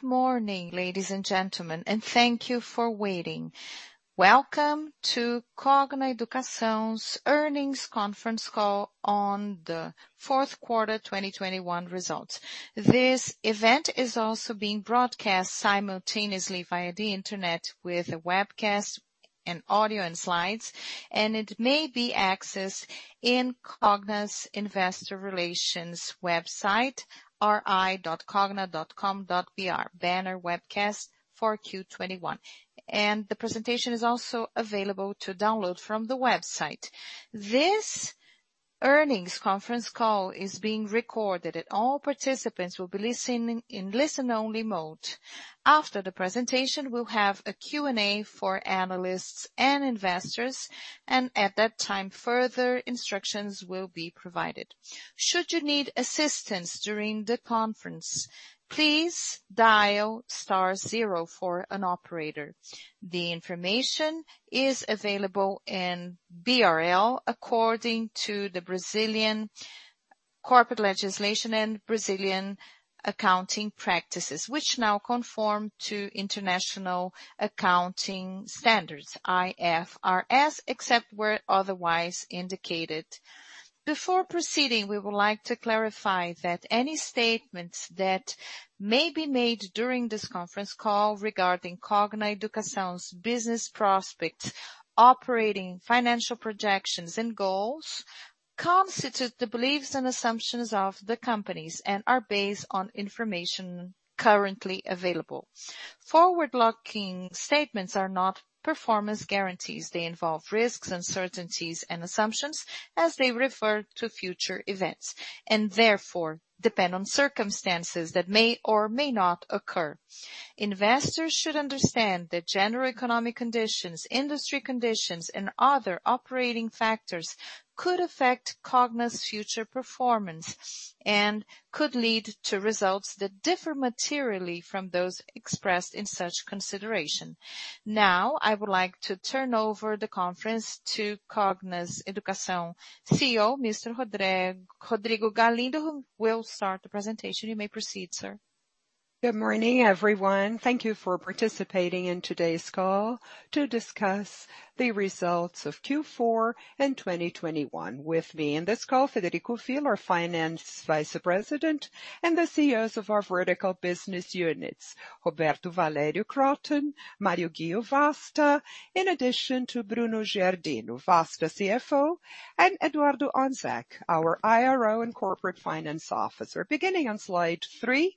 Good morning, ladies and gentlemen, and thank you for waiting. Welcome to Cogna Educação's earnings conference call on the fourth quarter 2021 results. This event is also being broadcast simultaneously via the Internet with a webcast and audio and slides, and it may be accessed in Cogna's investor relations website, ri.cogna.com.br, banner webcast for 4Q 2021. The presentation is also available to download from the website. This earnings conference call is being recorded and all participants will be listening in listen-only mode. After the presentation, we'll have a Q&A for analysts and investors. At that time, further instructions will be provided. Should you need assistance during the conference, please dial star zero for an operator. The information is available in BRL according to the Brazilian corporate legislation and Brazilian accounting practices, which now conform to international accounting standards, IFRS, except where otherwise indicated. Before proceeding, we would like to clarify that any statements that may be made during this conference call regarding Cogna Educação's business prospects, operating financial projections and goals constitute the beliefs and assumptions of the companies and are based on information currently available. Forward-looking statements are not performance guarantees. They involve risks, uncertainties and assumptions as they refer to future events, and therefore depend on circumstances that may or may not occur. Investors should understand that general economic conditions, industry conditions and other operating factors could affect Cogna's future performance and could lead to results that differ materially from those expressed in such consideration. Now, I would like to turn over the conference to Cogna's Educação CEO, Mr. Rodrigo Galindo will start the presentation. You may proceed, sir. Good morning, everyone. Thank you for participating in today's call to discuss the results of Q4 and 2021. With me in this call, Frederico da Cunha Villa, our Finance Vice President, and the CEOs of our vertical business units, Roberto Valério, Kroton, Mário Ghio Junior, Vasta, in addition to Bruno Giardino Roschel de Araujo, Vasta CFO, and Eduardo Honzak, our IRO and Corporate Finance Officer. Beginning on slide three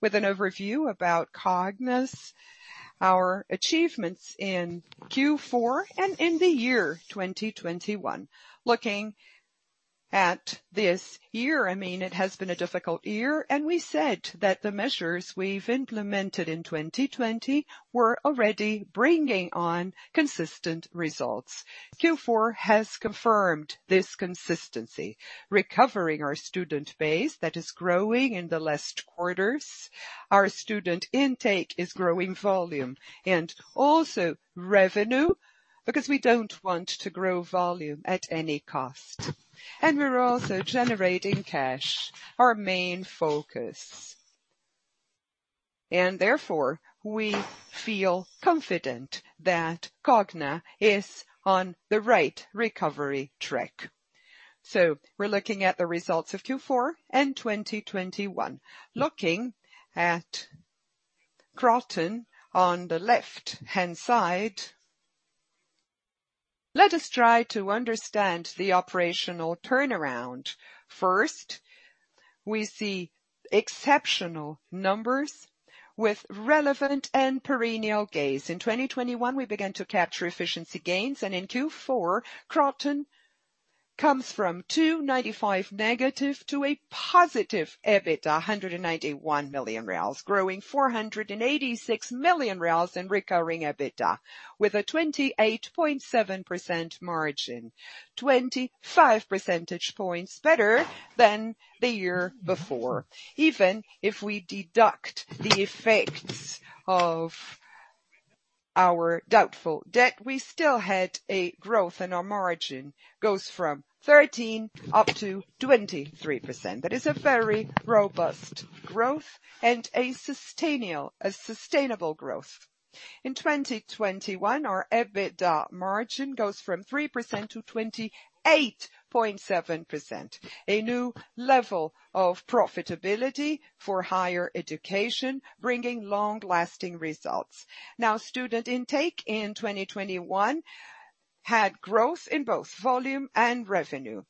with an overview about Cogna's, our achievements in Q4 and in the year 2021. Looking at this year, I mean, it has been a difficult year, and we said that the measures we've implemented in 2020 were already bringing on consistent results. Q4 has confirmed this consistency, recovering our student base that is growing in the last quarters. Our student intake is growing volume and also revenue because we don't want to grow volume at any cost. We're also generating cash, our main focus. Therefore, we feel confident that Cogna is on the right recovery track. We're looking at the results of Q4 2021. Looking at Kroton on the left-hand side, let us try to understand the operational turnaround. First, we see exceptional numbers with relevant and perennial gains. In 2021, we began to capture efficiency gains, and in Q4, Kroton comes from 295- to a positive EBITDA, 191 million reais, growing 486 million reais in recurring EBITDA with a 28.7% margin, 25 percentage points better than the year before. Even if we deduct the effects of our doubtful debt, we still had a growth in our margin, goes from 13% to 23%. That is a very robust growth and a sustainable growth. In 2021, our EBITDA margin goes from 3% to 28.7%. A new level of profitability for higher education, bringing long-lasting results. Now, student intake in 2021 had growth in both volume and revenue.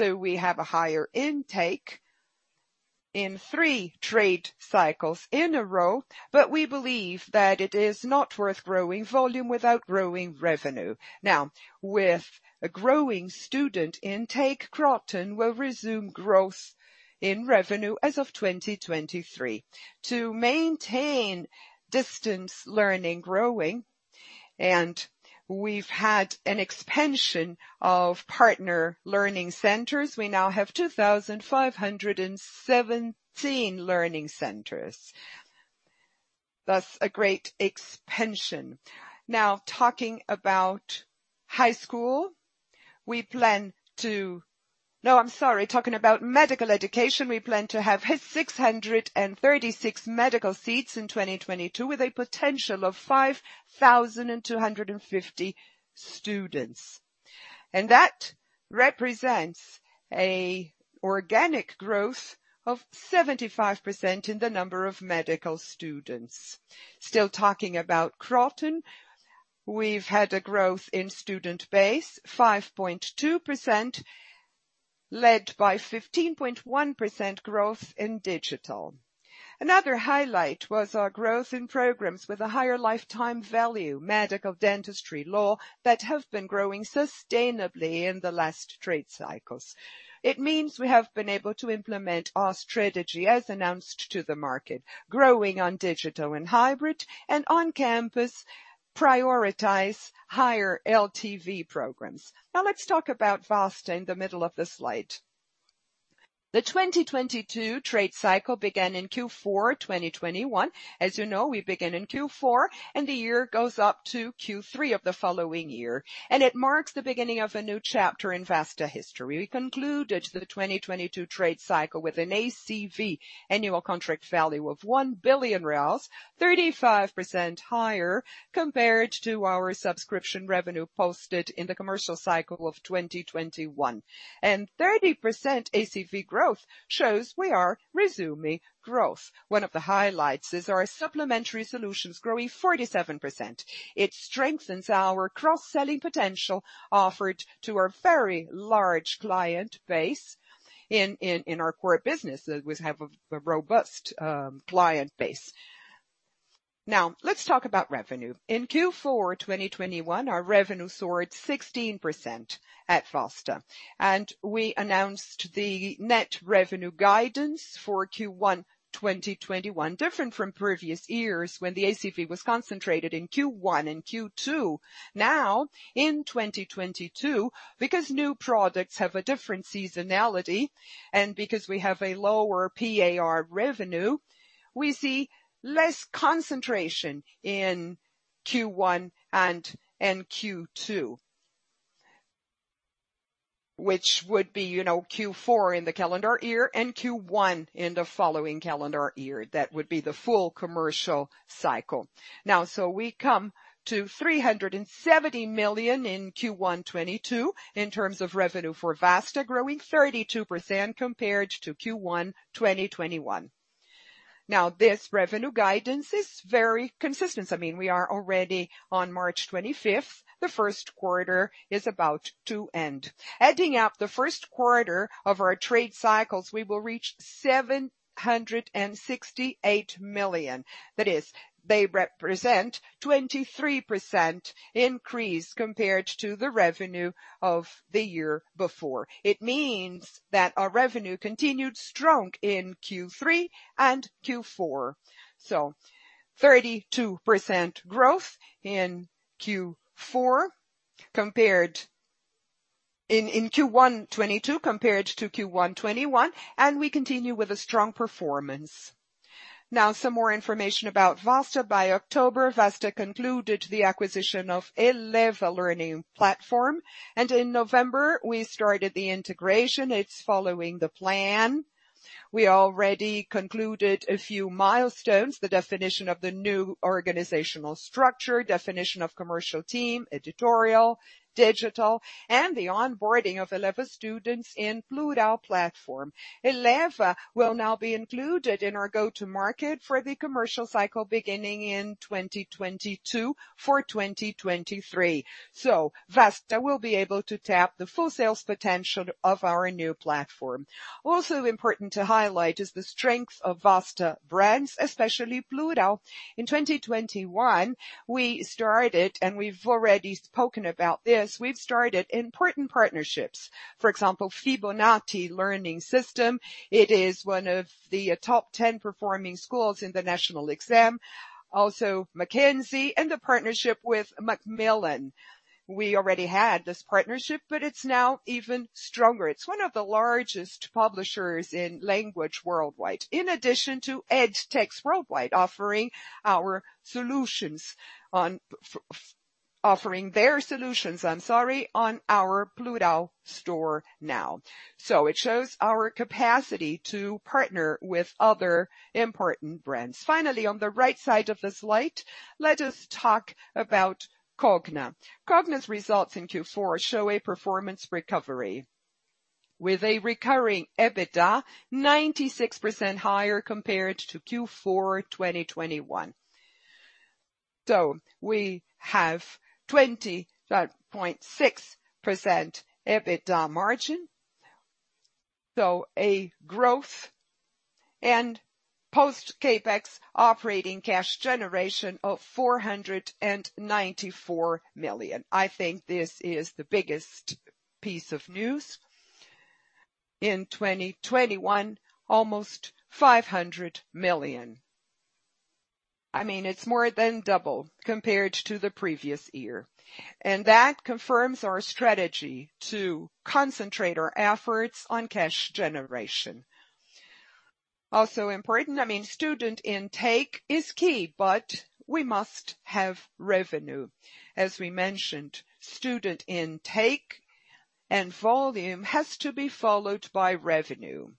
We have a higher intake in three straight cycles in a row, but we believe that it is not worth growing volume without growing revenue. Now, with a growing student intake, Kroton will resume growth in revenue as of 2023. To maintain distance learning growing, and we've had an expansion of partner learning centers. We now have 2,517 learning centers. Thus a great expansion. Talking about medical education, we plan to have 636 medical seats in 2022, with a potential of 5,250 students. That represents an organic growth of 75% in the number of medical students. Still talking about Kroton, we've had a growth in student base 5.2%, led by 15.1% growth in digital. Another highlight was our growth in programs with a higher lifetime value, medical, dentistry, law, that have been growing sustainably in the last trade cycles. It means we have been able to implement our strategy as announced to the market, growing on digital and hybrid and on-campus prioritize higher LTV programs. Now let's talk about Vasta in the middle of the slide. The 2022 trade cycle began in Q4 2021. As you know, we begin in Q4, and the year goes up to Q3 of the following year, and it marks the beginning of a new chapter in Vasta history. We concluded the 2022 trade cycle with an ACV, annual contract value, of 1 billion reais, 35% higher compared to our subscription revenue posted in the commercial cycle of 2021. 30% ACV growth shows we are resuming growth. One of the highlights is our supplementary solutions growing 47%. It strengthens our cross-selling potential offered to a very large client base in our core business. We have a robust client base. Now, let's talk about revenue. In Q4 2021, our revenue soared 16% at Vasta, and we announced the net revenue guidance for Q1 2021, different from previous years when the ACV was concentrated in Q1 and Q2. Now, in 2022, because new products have a different seasonality and because we have a lower PAR revenue, we see less concentration in Q1 and Q2. Which would be, you know, Q4 in the calendar year and Q1 in the following calendar year. That would be the full commercial cycle. Now, we come to 370 million in Q1 2022 in terms of revenue for Vasta, growing 32% compared to Q1 2021. Now, this revenue guidance is very consistent. I mean, we are already on March 25th. The first quarter is about to end. Adding up the first quarter of our trade cycles, we will reach 768 million. That is, they represent 23% increase compared to the revenue of the year before. It means that our revenue continued strong in Q3 and Q4. 32% growth in Q4 compared. In Q1 2022 compared to Q1 2021, and we continue with a strong performance. Now some more information about Vasta. By October, Vasta concluded the acquisition of Eleva Learning platform. In November, we started the integration. It's following the plan. We already concluded a few milestones, the definition of the new organizational structure, definition of commercial team, editorial, digital, and the onboarding of Eleva students in Plurall platform. Eleva will now be included in our go-to market for the commercial cycle beginning in 2022 for 2023. Vasta will be able to tap the full sales potential of our new platform. Also important to highlight is the strength of Vasta brands, especially Plurall. In 2021, we started, and we've already spoken about this, we've started important partnerships. For example, Fibonacci Sistema de Ensino. It is one of the top 10 performing schools in the national exam. Mackenzie and the partnership with Macmillan. We already had this partnership, but it's now even stronger. It's one of the largest publishers in language worldwide. In addition to EdTechs worldwide, offering their solutions, I'm sorry, on our Plurall store now. It shows our capacity to partner with other important brands. Finally, on the right side of the slide, let us talk about Cogna. Cogna's results in Q4 show a performance recovery with a recurring EBITDA 96% higher compared to Q4 2021. We have 20.6% EBITDA margin, so a growth and post CapEx operating cash generation of 494 million. I think this is the biggest piece of news. In 2021, almost 500 million. I mean, it's more than double compared to the previous year. That confirms our strategy to concentrate our efforts on cash generation. Also important, I mean, student intake is key, but we must have revenue. As we mentioned, student intake and volume has to be followed by revenue.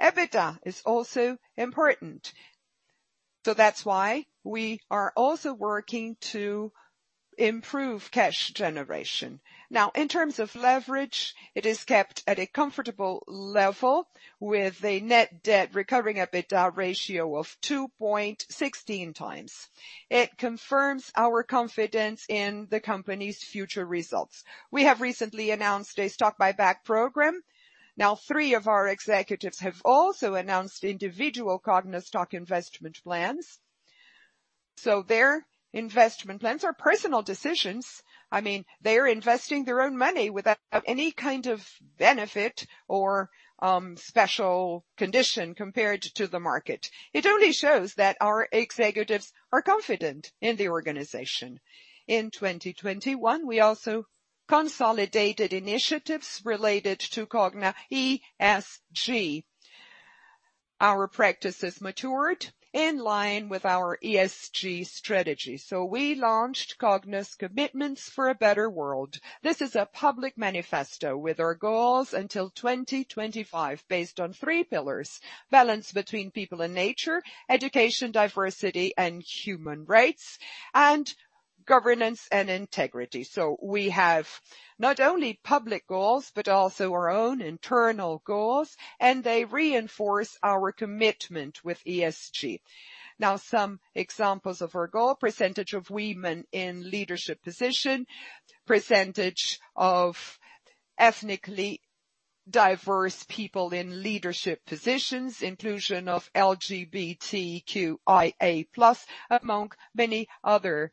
EBITDA is also important. That's why we are also working to improve cash generation. Now, in terms of leverage, it is kept at a comfortable level with a net debt to EBITDA ratio of 2.16x. It confirms our confidence in the company's future results. We have recently announced a stock buyback program. Now, three of our executives have also announced individual Cogna stock investment plans. Their investment plans are personal decisions. I mean, they are investing their own money without any kind of benefit or special condition compared to the market. It only shows that our executives are confident in the organization. In 2021, we also consolidated initiatives related to Cogna ESG. Our practices matured in line with our ESG strategy. We launched Cogna's commitments for a better world. This is a public manifesto with our goals until 2025 based on three pillars: balance between people and nature; education, diversity, and human rights; and governance and integrity. We have not only public goals, but also our own internal goals, and they reinforce our commitment with ESG. Now, some examples of our goal, percentage of women in leadership position, percentage of ethnically diverse people in leadership positions, inclusion of LGBTQIA+, among many other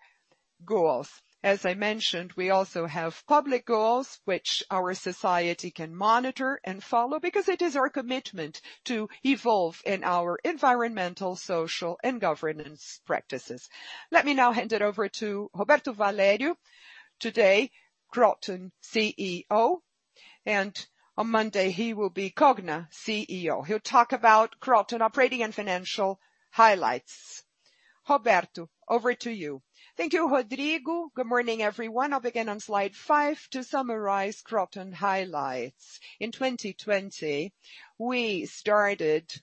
goals. As I mentioned, we also have public goals which our society can monitor and follow because it is our commitment to evolve in our environmental, social, and governance practices. Let me now hand it over to Roberto Valério, today, Kroton CEO, and on Monday, he will be Cogna CEO. He'll talk about Kroton operating and financial highlights. Roberto, over to you. Thank you, Rodrigo. Good morning, everyone. I'll begin on slide five to summarize Kroton highlights. In 2020, we started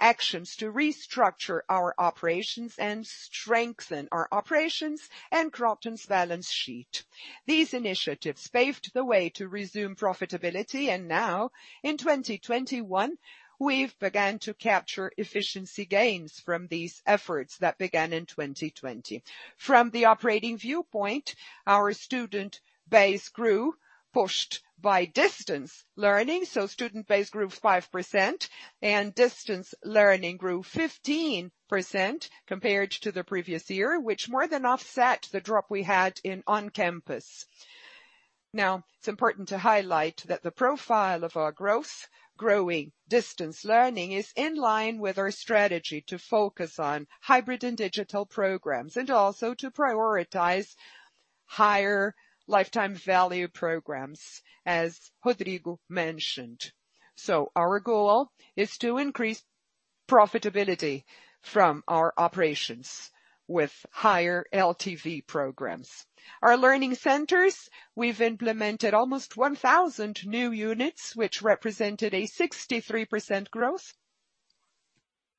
actions to restructure our operations and strengthen our operations and Kroton's balance sheet. These initiatives paved the way to resume profitability, and now in 2021, we've began to capture efficiency gains from these efforts that began in 2020. From the operating viewpoint, our student base grew, pushed by distance learning. Student base grew 5% and distance learning grew 15% compared to the previous year, which more than offset the drop we had in on-campus. Now, it's important to highlight that the profile of our growth, growing distance learning is in line with our strategy to focus on hybrid and digital programs and also to prioritize higher lifetime value programs, as Rodrigo mentioned. Our goal is to increase profitability from our operations with higher LTV programs. Our learning centers, we've implemented almost 1,000 new units, which represented a 63% growth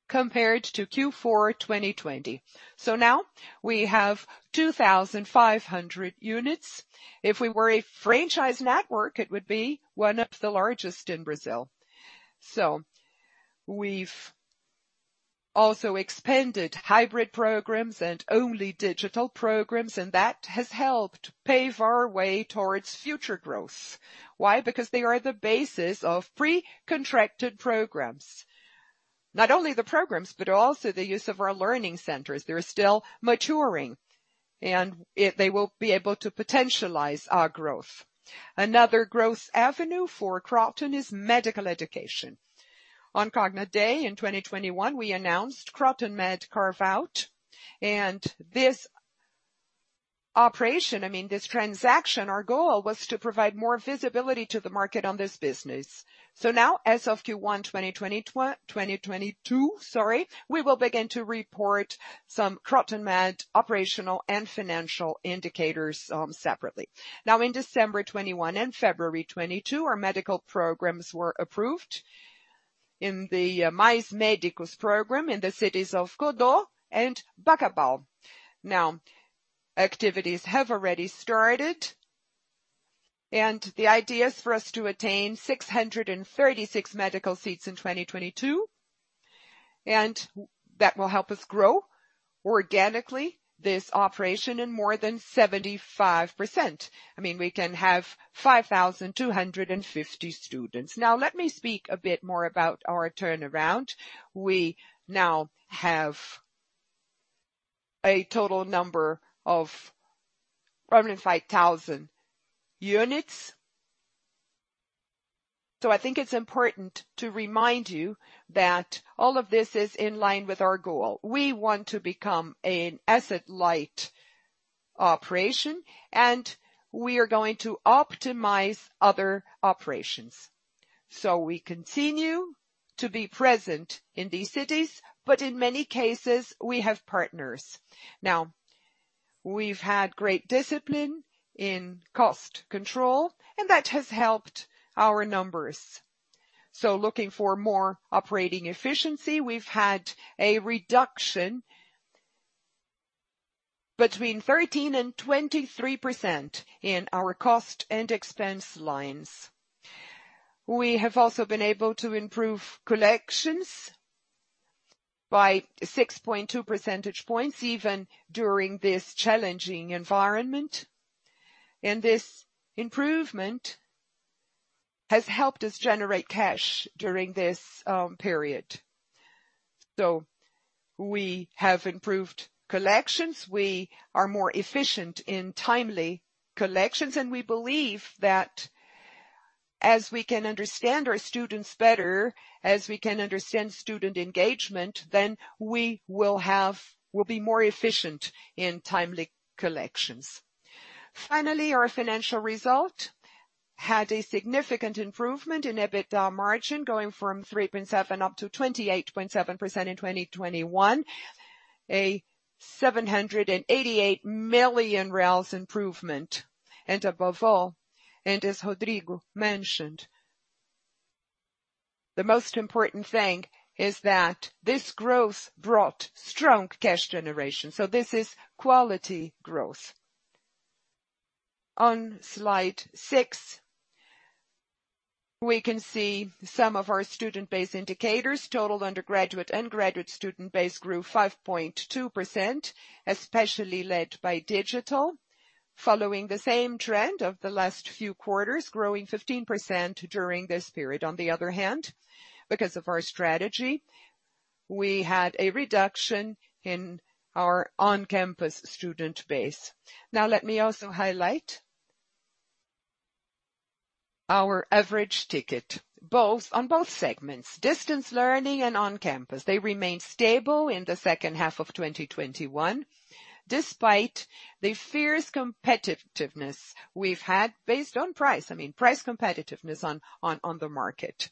compared to Q4 2020. Now we have 2,500 units. If we were a franchise network, it would be one of the largest in Brazil. We've also expanded hybrid programs and only digital programs, and that has helped pave our way towards future growth. Why? Because they are the basis of pre-contracted programs. Not only the programs, but also the use of our learning centers. They're still maturing, and they will be able to potentialize our growth. Another growth avenue for Kroton is medical education. On Cogna Day in 2021, we announced KrotonMed carve-out. This operation, I mean, this transaction, our goal was to provide more visibility to the market on this business. Now, as of Q1 2022, sorry, we will begin to report some KrotonMed operational and financial indicators separately. In December 2021 and February 2022, our medical programs were approved in the Mais Médicos program in the cities of Codó and Bacabal. Activities have already started, and the idea is for us to attain 636 medical seats in 2022, and that will help us grow organically this operation in more than 75%. I mean, we can have 5,250 students. Now let me speak a bit more about our turnaround. We now have a total number of probably 5,000 units. I think it's important to remind you that all of this is in line with our goal. We want to become an asset-light operation, and we are going to optimize other operations. We continue to be present in these cities, but in many cases, we have partners. Now, we've had great discipline in cost control, and that has helped our numbers. Looking for more operating efficiency, we've had a reduction between 13% and 23% in our cost and expense lines. We have also been able to improve collections by 6.2 percentage points even during this challenging environment, and this improvement has helped us generate cash during this period. We have improved collections. We are more efficient in timely collections, and we believe that as we can understand our students better, as we can understand student engagement, then we will have, we'll be more efficient in timely collections. Finally, our financial result had a significant improvement in EBITDA margin going from 3.7% to 28.7% in 2021. 788 million improvement. Above all, and as Rodrigo mentioned, the most important thing is that this growth brought strong cash generation. This is quality growth. On slide six, we can see some of our student base indicators. Total undergraduate and graduate student base grew 5.2%, especially led by digital, following the same trend of the last few quarters, growing 15% during this period. On the other hand, because of our strategy, we had a reduction in our on-campus student base. Now let me also highlight our average ticket, both segments, distance learning and on-campus. They remain stable in the second half of 2021, despite the fierce competitiveness we've had based on price. I mean price competitiveness on the market.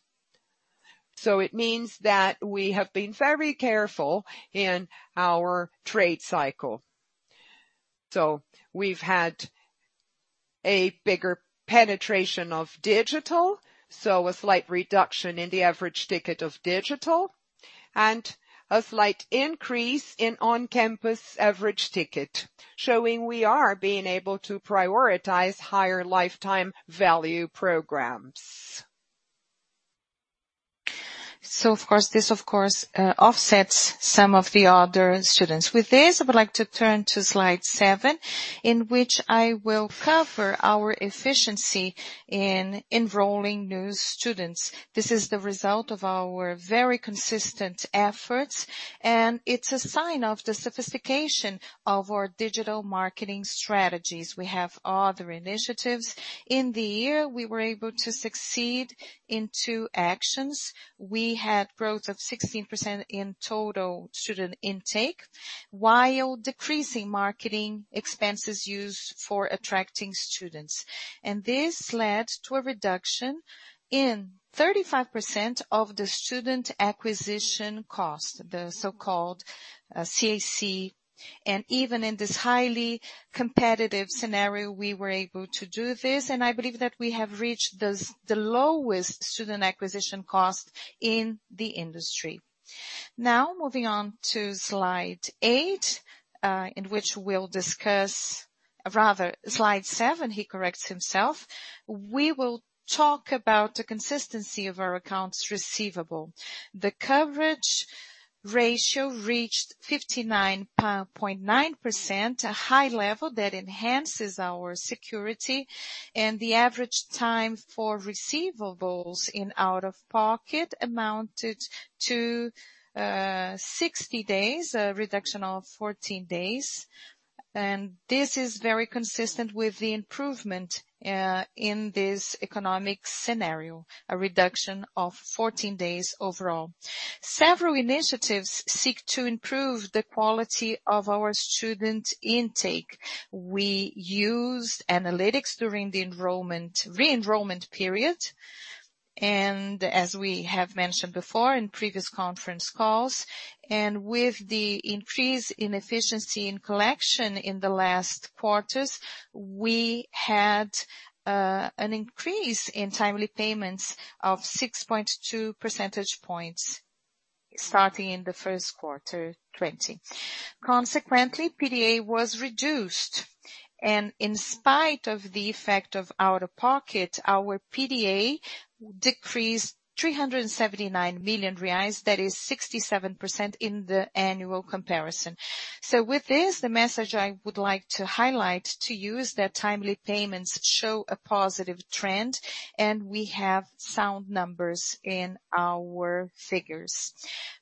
It means that we have been very careful in our trade cycle. We've had a bigger penetration of digital, so a slight reduction in the average ticket of digital and a slight increase in on-campus average ticket, showing we are being able to prioritize higher lifetime value programs. This of course offsets some of the other students. With this, I would like to turn to slide seven, in which I will cover our efficiency in enrolling new students. This is the result of our very consistent efforts, and it's a sign of the sophistication of our digital marketing strategies. We have other initiatives. In the year, we were able to succeed in two actions. We had growth of 16% in total student intake while decreasing marketing expenses used for attracting students. This led to a reduction in 35% of the student acquisition cost, the so-called CAC. Even in this highly competitive scenario, we were able to do this, and I believe that we have reached the lowest student acquisition cost in the industry. Now moving on to slide eight, in which we'll discuss. Rather slide seven, he corrects himself. We will talk about the consistency of our accounts receivable. The coverage ratio reached 59.9%, a high level that enhances our security, and the average time for receivables in out-of-pocket amounted to 60 days, a reduction of 14 days. This is very consistent with the improvement in this economic scenario, a reduction of 14 days overall. Several initiatives seek to improve the quality of our student intake. We used analytics during the enrollment re-enrollment period, and as we have mentioned before in previous conference calls. With the increase in efficiency in collection in the last quarters, we had an increase in timely payments of 6.2 percentage points starting in the first quarter 2020. Consequently, PDA was reduced. In spite of the effect of out-of-pocket, our PDA decreased 379 million reais. That is 67% in the annual comparison. With this, the message I would like to highlight to you is that timely payments show a positive trend, and we have sound numbers in our figures.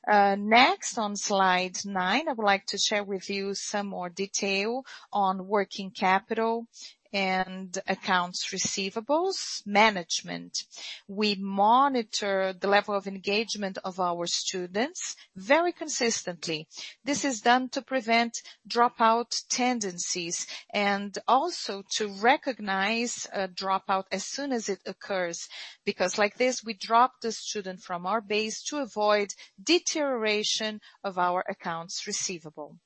Next on slide nine, I would like to share with you some more detail on working capital and accounts receivables management. We monitor the level of engagement of our students very consistently. This is done to prevent dropout tendencies and also to recognize a dropout as soon as it occurs. Because like this, we drop the student from our base to avoid deterioration of our accounts receivable.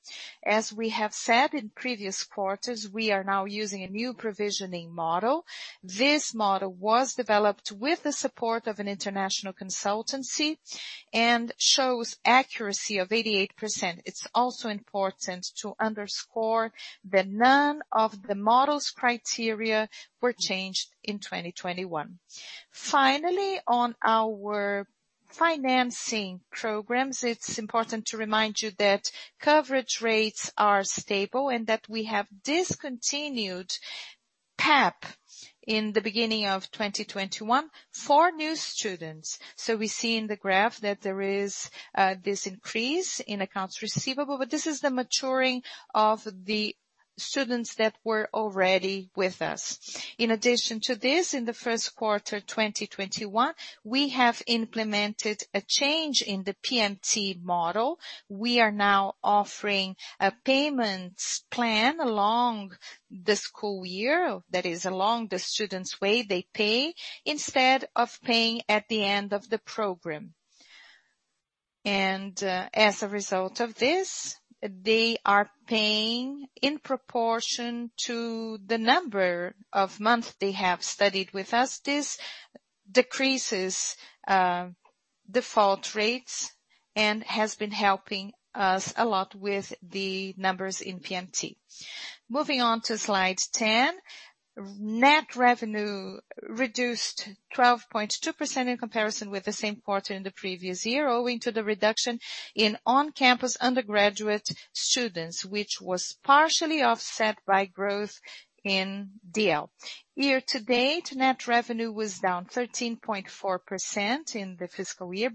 As we have said in previous quarters, we are now using a new provisioning model. This model was developed with the support of an international consultancy and shows accuracy of 88%. It's also important to underscore that none of the model's criteria were changed in 2021. Finally, on our financing programs, it's important to remind you that coverage rates are stable and that we have discontinued PAP in the beginning of 2021 for new students. We see in the graph that there is this increase in accounts receivable, but this is the maturing of the students that were already with us. In addition to this, in the first quarter 2021, we have implemented a change in the PMT model. We are now offering a payments plan along the school year. That is, along the students way they pay instead of paying at the end of the program. As a result of this, they are paying in proportion to the number of months they have studied with us. This decreases default rates and has been helping us a lot with the numbers in PMT. Moving on to slide 10. Net revenue reduced 12.2% in comparison with the same quarter in the previous year, owing to the reduction in on-campus undergraduate students, which was partially offset by growth in DL. Year-to-date, net revenue was down 13.4% in the fiscal year.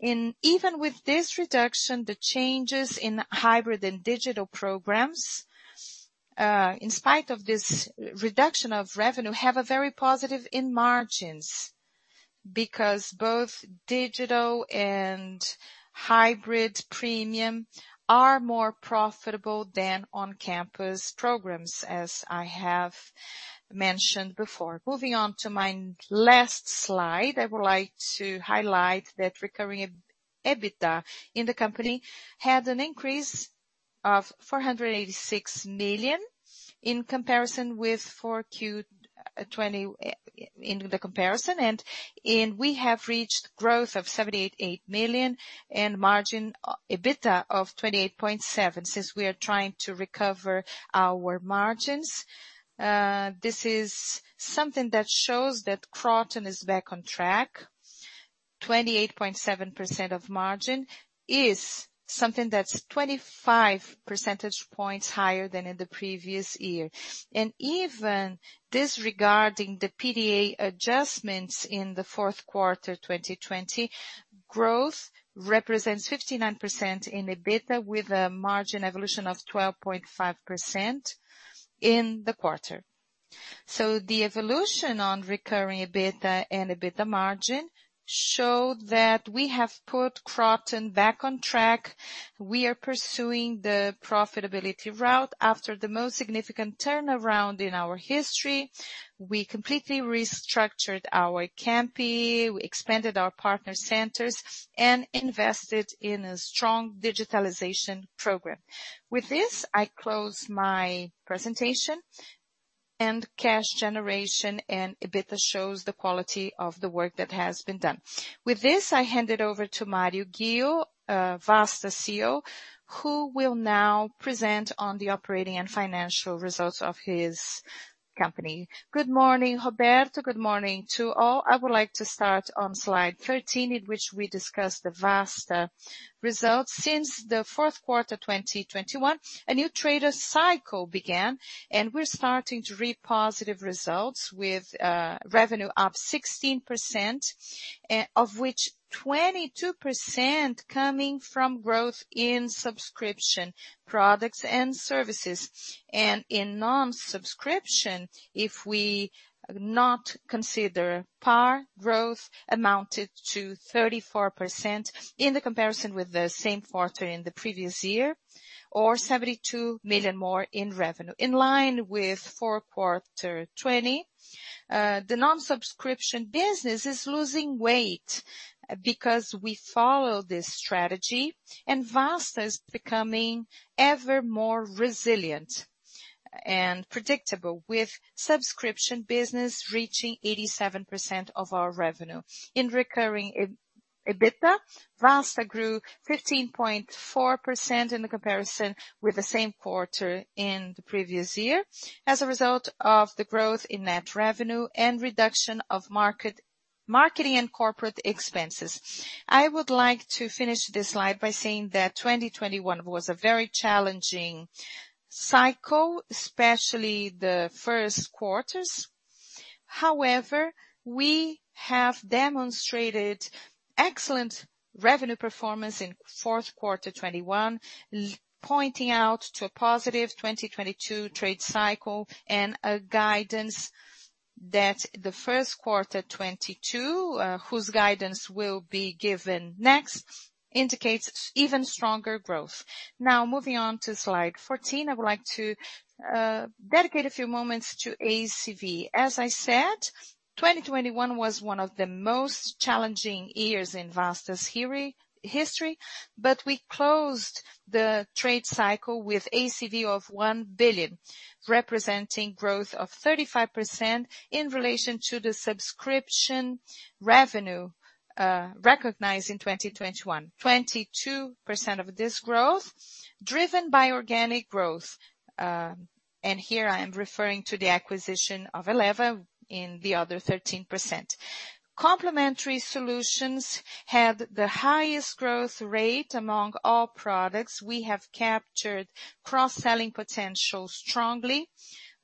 Even with this reduction, the changes in hybrid and digital programs, in spite of this reduction of revenue, have a very positive impact on margins, because both digital and hybrid premium are more profitable than on-campus programs, as I have mentioned before. Moving on to my last slide, I would like to highlight that recurring EBITDA in the company had an increase of 486 million in comparison with 4Q 2020, in the comparison. We have reached growth of 78 million and margin EBITDA of 28.7. Since we are trying to recover our margins, this is something that shows that Kroton is back on track. 28.7% of margin is something that's 25 percentage points higher than in the previous year. Even disregarding the PDA adjustments in the fourth quarter 2020, growth represents 59% in EBITDA, with a margin evolution of 12.5% in the quarter. The evolution on recurring EBITDA and EBITDA margin show that we have put Kroton back on track. We are pursuing the profitability route after the most significant turnaround in our history. We completely restructured our campi. We expanded our partner centers and invested in a strong digitalization program. With this, I close my presentation and cash generation, and EBITDA shows the quality of the work that has been done. With this, I hand it over to Mário Ghio Junior, Vasta CEO, who will now present on the operating and financial results of his company. Good morning, Roberto Valério. Good morning to all. I would like to start on slide 13, in which we discuss the Vasta results. Since the fourth quarter, 2021, a new tender cycle began, and we're starting to reap positive results with revenue up 16%, of which 22% coming from growth in subscription products and services. In non-subscription, if we do not consider PAR growth amounted to 34% in the comparison with the same quarter in the previous year or 72 million more in revenue. In line with fourth quarter 2020, the non-subscription business is losing weight because we follow this strategy, and Vasta is becoming ever more resilient and predictable, with subscription business reaching 87% of our revenue. In recurring EBITDA, Vasta grew 15.4% in the comparison with the same quarter in the previous year as a result of the growth in net revenue and reduction of marketing and corporate expenses. I would like to finish this slide by saying that 2021 was a very challenging cycle, especially the first quarters. However, we have demonstrated excellent revenue performance in fourth quarter 2021, pointing out to a positive 2022 trade cycle and a guidance that the first quarter 2022, whose guidance will be given next, indicates even stronger growth. Now moving on to slide 14. I would like to dedicate a few moments to ACV. As I said, 2021 was one of the most challenging years in Vasta's history, but we closed the trade cycle with ACV of 1 billion, representing growth of 35% in relation to the subscription revenue recognized in 2021. 22% of this growth driven by organic growth. Here I am referring to the acquisition of Eleva in the other 13%. Complementary solutions had the highest growth rate among all products. We have captured cross-selling potential strongly,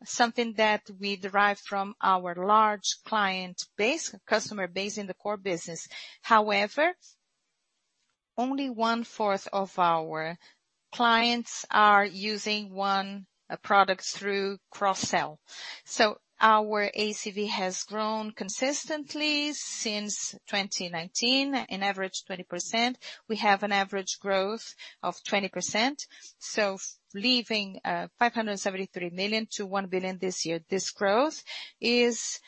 something that we derive from our large customer base in the core business. However, only 1/4 of our clients are using one or more products through cross-sell. Our ACV has grown consistently since 2019, an average 20%. We have an average growth of 20%, so from 573 million to 1 billion this year. This growth is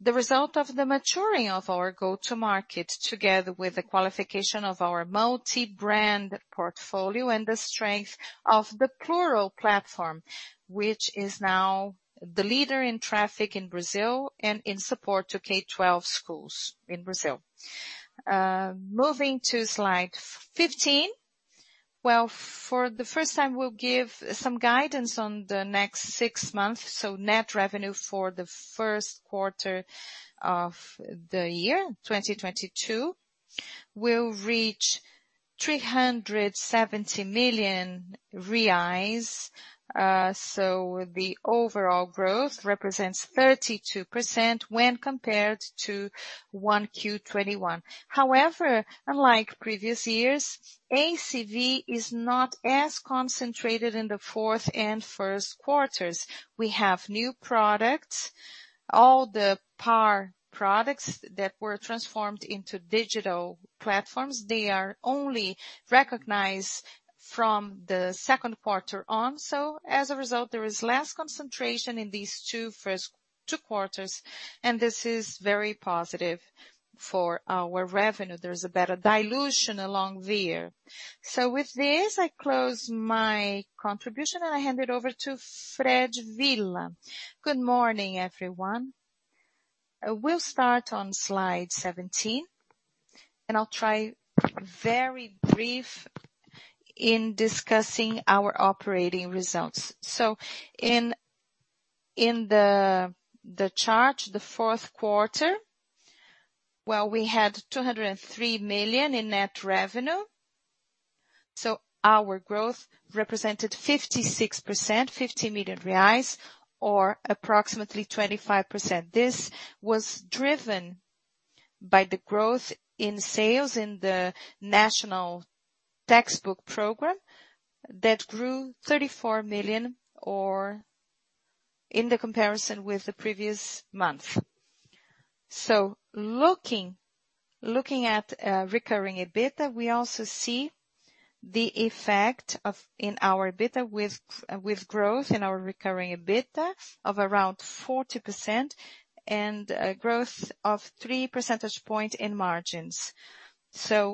the result of the maturing of our go-to-market together with the qualification of our multi-brand portfolio and the strength of the Plurall platform, which is now the leader in traffic in Brazil and in support to K-12 schools in Brazil. Moving to slide 15. Well, for the first time, we'll give some guidance on the next six months. Net revenue for the first quarter of the year, 2022, will reach 370 million reais. The overall growth represents 32% when compared to 1Q 2021. However, unlike previous years, ACV is not as concentrated in the fourth and first quarters. We have new products. All the PAR products that were transformed into digital platforms, they are only recognized from the second quarter on. As a result, there is less concentration in these two first two quarters, and this is very positive for our revenue. There's a better dilution along the year. With this, I close my contribution, and I hand it over to Fred Villa. Good morning, everyone. We'll start on slide 17, and I'll try very brief in discussing our operating results. In the chart, the fourth quarter, well, we had 203 million in net revenue, so our growth represented 56%, 50 million reais or approximately 25%. This was driven by the growth in sales in the National Textbook Program that grew 34 million, or in the comparison with the previous month. Looking at recurring EBITDA, we also see the effect in our EBITDA with growth in our recurring EBITDA of around 40% and a growth of 3 percentage points in margins.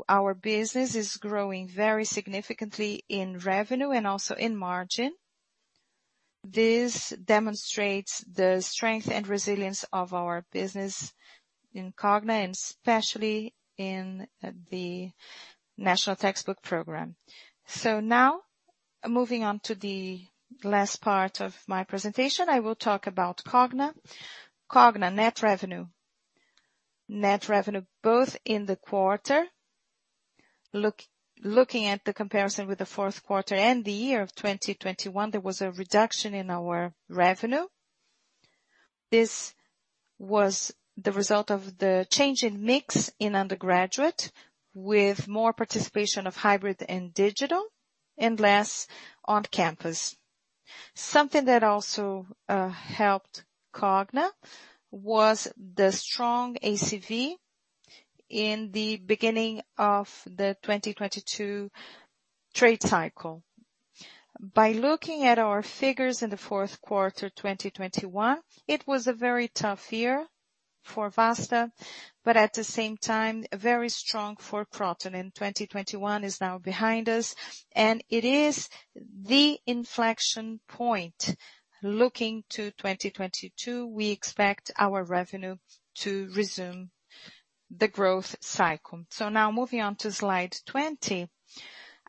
Our business is growing very significantly in revenue and also in margin. This demonstrates the strength and resilience of our business in Cogna and especially in the National Textbook Program. Now moving on to the last part of my presentation. I will talk about Cogna. Cogna net revenue. Net revenue both in the quarter. Looking at the comparison with the fourth quarter and the year of 2021, there was a reduction in our revenue. This was the result of the change in mix in undergraduate with more participation of hybrid and digital and less on campus. Something that also helped Cogna was the strong ACV in the beginning of the 2022 trade cycle. By looking at our figures in the fourth quarter 2021, it was a very tough year for Vasta, but at the same time, very strong for Kroton. 2021 is now behind us, and it is the inflection point. Looking to 2022, we expect our revenue to resume the growth cycle. Now moving on to slide 20.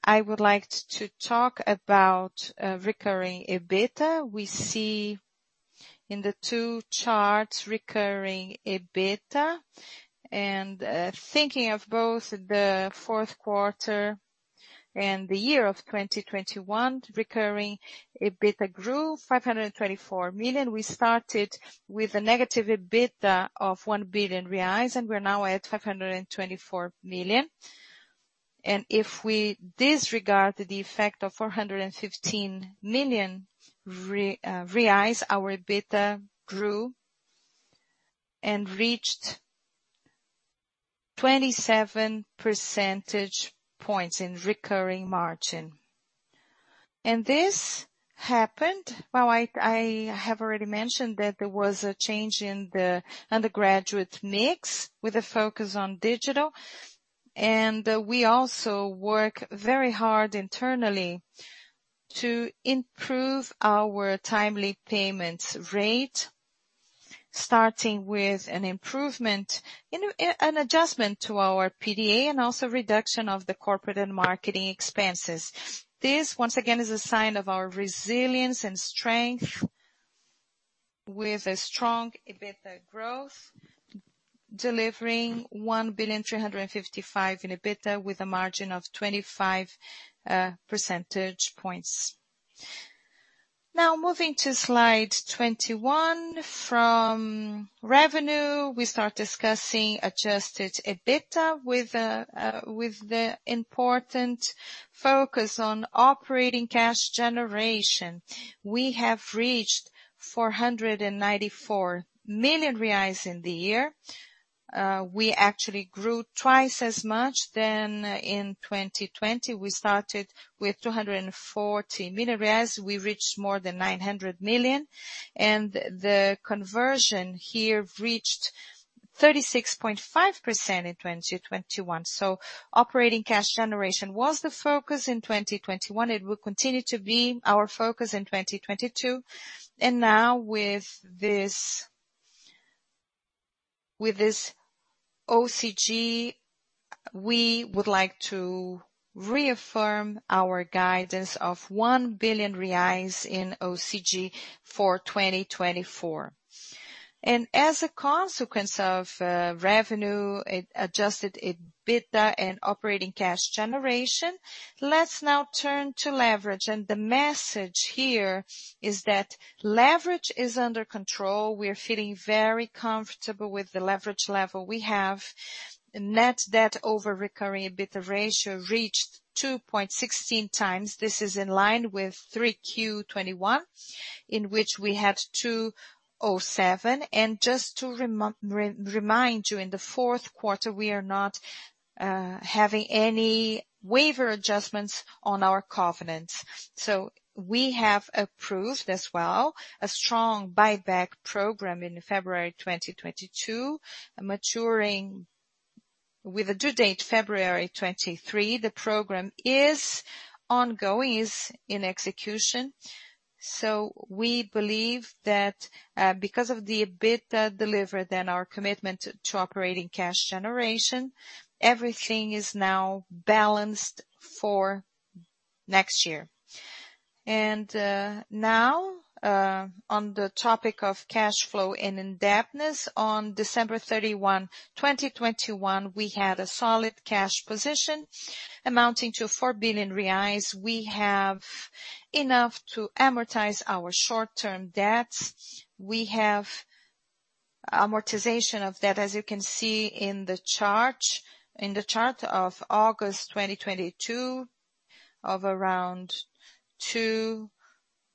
I would like to talk about recurring EBITDA. We see in the two charts recurring EBITDA and thinking of both the fourth quarter and the year of 2021 recurring EBITDA grew 524 million. We started with a negative EBITDA of 1 billion reais, and we're now at 524 million. If we disregard the effect of 415 million reais, our EBITDA grew and reached 27 percentage points in recurring margin. This happened. I have already mentioned that there was a change in the undergraduate mix with a focus on digital. We also work very hard internally to improve our timely payments rate, starting with an improvement in an adjustment to our PDA and also reduction of the corporate and marketing expenses. This, once again, is a sign of our resilience and strength with a strong EBITDA growth, delivering 1.355 billion in EBITDA with a margin of 25 percentage points. Now moving to slide 21. From revenue, we start discussing adjusted EBITDA with the important focus on operating cash generation. We have reached 494 million reais in the year. We actually grew twice as much than in 2020. We started with 240 million reais. We reached more than 900 million. The conversion here reached 36.5% in 2021. Operating cash generation was the focus in 2021. It will continue to be our focus in 2022. Now with this OCG, we would like to reaffirm our guidance of 1 billion reais in OCG for 2024. As a consequence of revenue, adjusted EBITDA and operating cash generation, let's now turn to leverage. The message here is that leverage is under control. We are feeling very comfortable with the leverage level we have. Net debt over recurring EBITDA ratio reached 2.16x. This is in line with 3Q 2021, in which we had 207. Just to remind you, in the fourth quarter, we are not having any waiver adjustments on our covenants. We have approved as well a strong buyback program in February 2022, maturing with a due date February 2023. The program is ongoing, is in execution. We believe that, because of the EBITDA delivered and our commitment to operating cash generation, everything is now balanced for next year. Now, on the topic of cash flow and indebtedness, on December 31, 2021, we had a solid cash position amounting to 4 billion reais. We have enough to amortize our short-term debts. We have amortization of debt, as you can see in the chart of August 2022 of around 2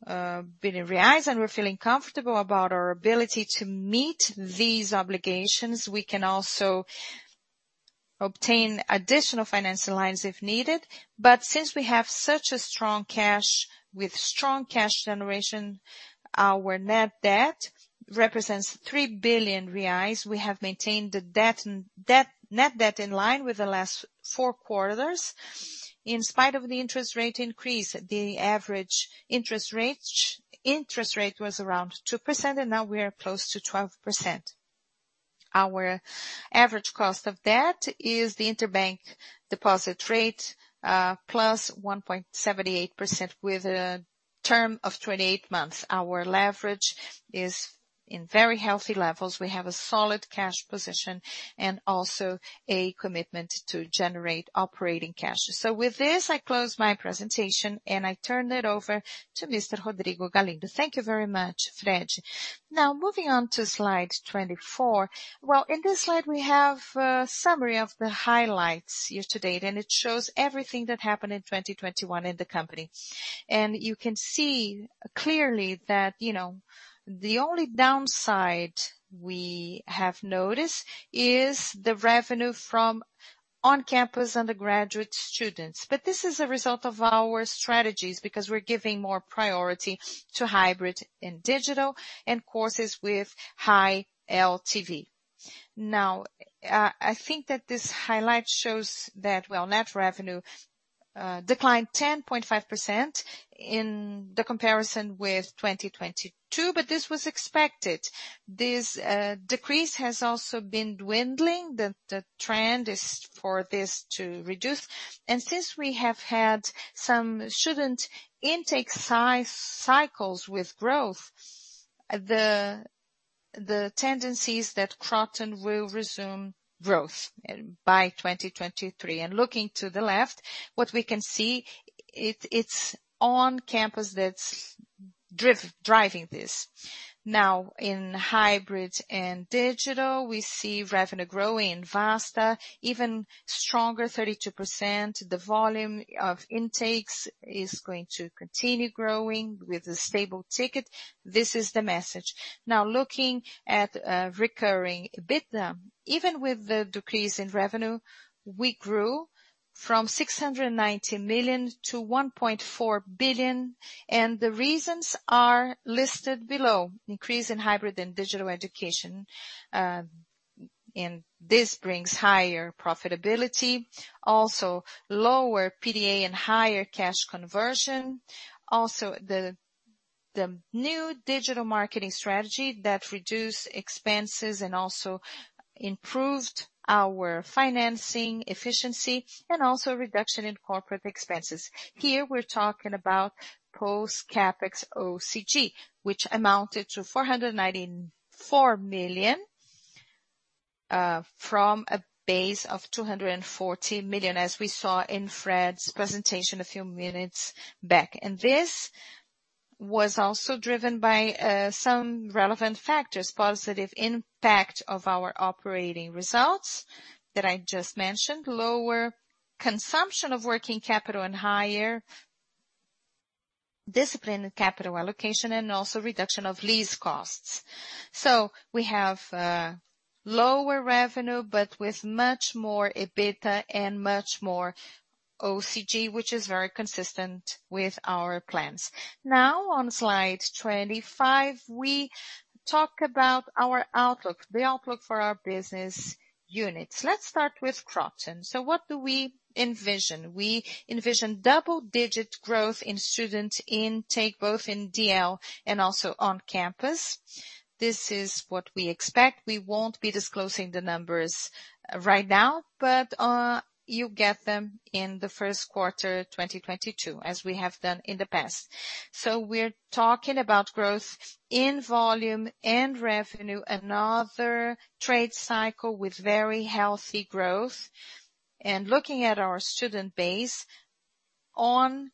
billion reais, and we're feeling comfortable about our ability to meet these obligations. We can also obtain additional financial lines if needed. Since we have such a strong cash with strong cash generation, our net debt represents 3 billion reais. We have maintained net debt in line with the last four quarters. In spite of the interest rate increase, the average interest rate was around 2%, and now we are close to 12%. Our average cost of debt is the interbank deposit rate +1.78% with a term of 28 months. Our leverage is in very healthy levels. We have a solid cash position and also a commitment to generate operating cash. With this, I close my presentation, and I turn it over to Mr. Rodrigo Galindo. Thank you very much, Fred. Now moving on to slide 24. Well, in this slide we have a summary of the highlights year to date, and it shows everything that happened in 2021 in the company. You can see clearly that, you know, the only downside we have noticed is the revenue from on-campus undergraduate students. This is a result of our strategies, because we're giving more priority to hybrid and digital and courses with high LTV. Now, I think that this highlight shows that, well, net revenue declined 10.5% in the comparison with 2022, but this was expected. This decrease has also been dwindling. The trend is for this to reduce. Since we have had some student intake cycles with growth, the tendency is that Kroton will resume growth by 2023. Looking to the left, what we can see, it's on campus that's driving this. Now in hybrid and digital, we see revenue growing. Vasta even stronger, 32%. The volume of intakes is going to continue growing with a stable ticket. This is the message. Now looking at recurring EBITDA. Even with the decrease in revenue, we grew from 690 million to 1.4 billion, and the reasons are listed below. Increase in hybrid and digital education, and this brings higher profitability. Also lower PDA and higher cash conversion. Also the new digital marketing strategy that reduced expenses and also improved our financing efficiency, and also a reduction in corporate expenses. Here we're talking about post CapEx OCG, which amounted to 494 million from a base of 240 million, as we saw in Fred's presentation a few minutes back. This was also driven by some relevant factors. Positive impact of our operating results that I just mentioned. Lower consumption of working capital and higher discipline in capital allocation, and also reduction of lease costs. We have lower revenue but with much more EBITDA and much more OCG, which is very consistent with our plans. Now on slide 25, we talk about our outlook, the outlook for our business units. Let's start with Kroton. What do we envision? We envision double-digit growth in student intake, both in DL and also on campus. This is what we expect. We won't be disclosing the numbers right now, but, you'll get them in the first quarter 2022, as we have done in the past. We're talking about growth in volume and revenue. Another trade cycle with very healthy growth. Looking at our student base on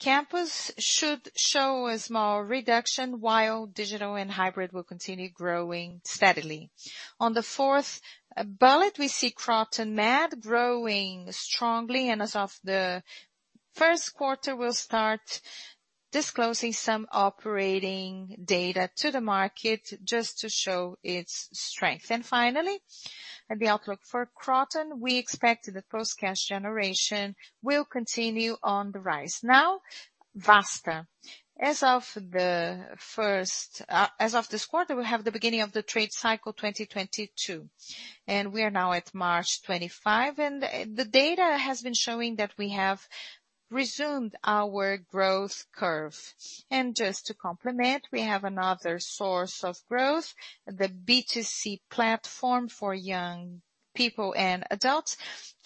campus should show a small reduction while digital and hybrid will continue growing steadily. On the fourth bullet, we see KrotonMed growing strongly. As of the first quarter, we'll start disclosing some operating data to the market just to show its strength. Finally, at the outlook for Kroton, we expect that the positive cash generation will continue on the rise. Now Vasta. As of this quarter, we have the beginning of the trade cycle 2022, and we are now at March 25. The data has been showing that we have resumed our growth curve. Just to complement, we have another source of growth, the B2C platform for young people and adults,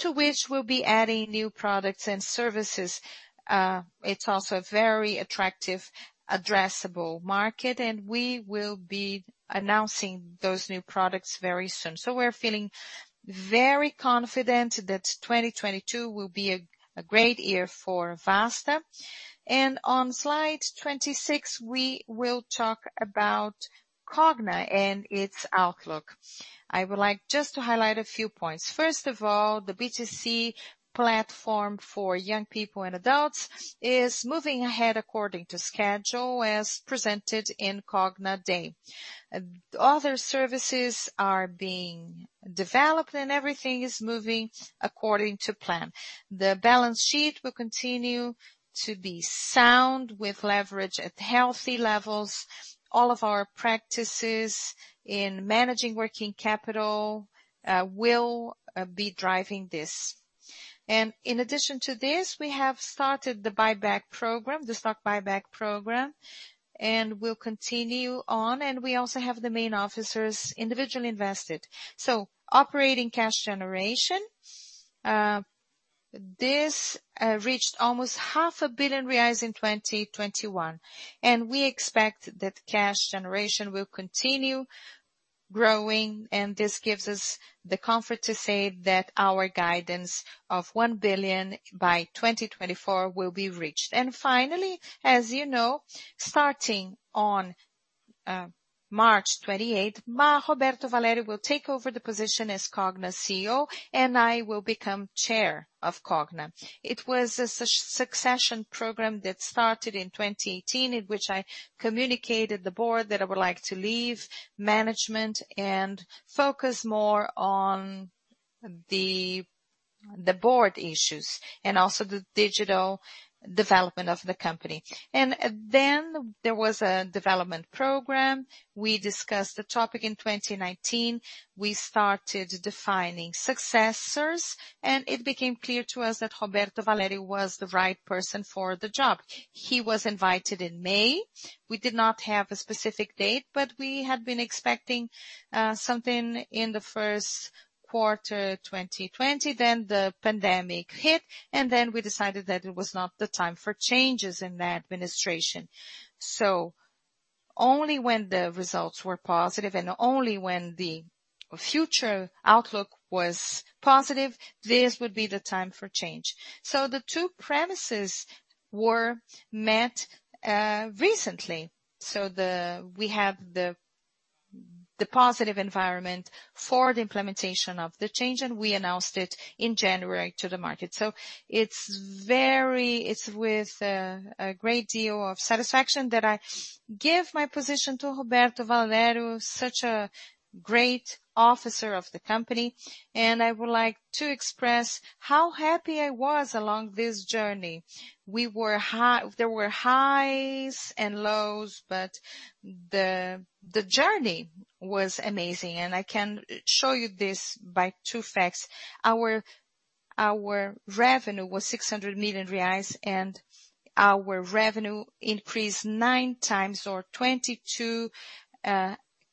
to which we'll be adding new products and services. It's also a very attractive addressable market, and we will be announcing those new products very soon. We're feeling very confident that 2022 will be a great year for Vasta. On slide 26, we will talk about Cogna and its outlook. I would like just to highlight a few points. First of all, the B2C platform for young people and adults is moving ahead according to schedule, as presented in Cogna Day. Other services are being developed and everything is moving according to plan. The balance sheet will continue to be sound with leverage at healthy levels. All of our practices in managing working capital will be driving this. In addition to this, we have started the buyback program, the stock buyback program, and will continue on. We also have the main officers individually invested. Operating cash generation reached almost 500 million reais in 2021, and we expect that cash generation will continue growing. This gives us the comfort to say that our guidance of 1 billion by 2024 will be reached. Finally, as you know, starting on March 28, Roberto Valério will take over the position as Cogna CEO, and I will become Chair of Cogna. It was a succession program that started in 2018, in which I communicated to the board that I would like to leave management and focus more on the board issues and also the digital development of the company. There was a development program. We discussed the topic in 2019. We started defining successors, and it became clear to us that Roberto Valério was the right person for the job. He was invited in May. We did not have a specific date, but we had been expecting something in the first quarter, 2020. The pandemic hit, and we decided that it was not the time for changes in the administration. Only when the results were positive and only when the future outlook was positive, this would be the time for change. The two premises were met recently. We have the positive environment for the implementation of the change, and we announced it in January to the market. It is with a great deal of satisfaction that I give my position to Roberto Valério, such a great officer of the company. I would like to express how happy I was along this journey. There were highs and lows, but the journey was amazing. I can show you this by two facts. Our revenue was 600 million reais, and our revenue increased 9x or 22%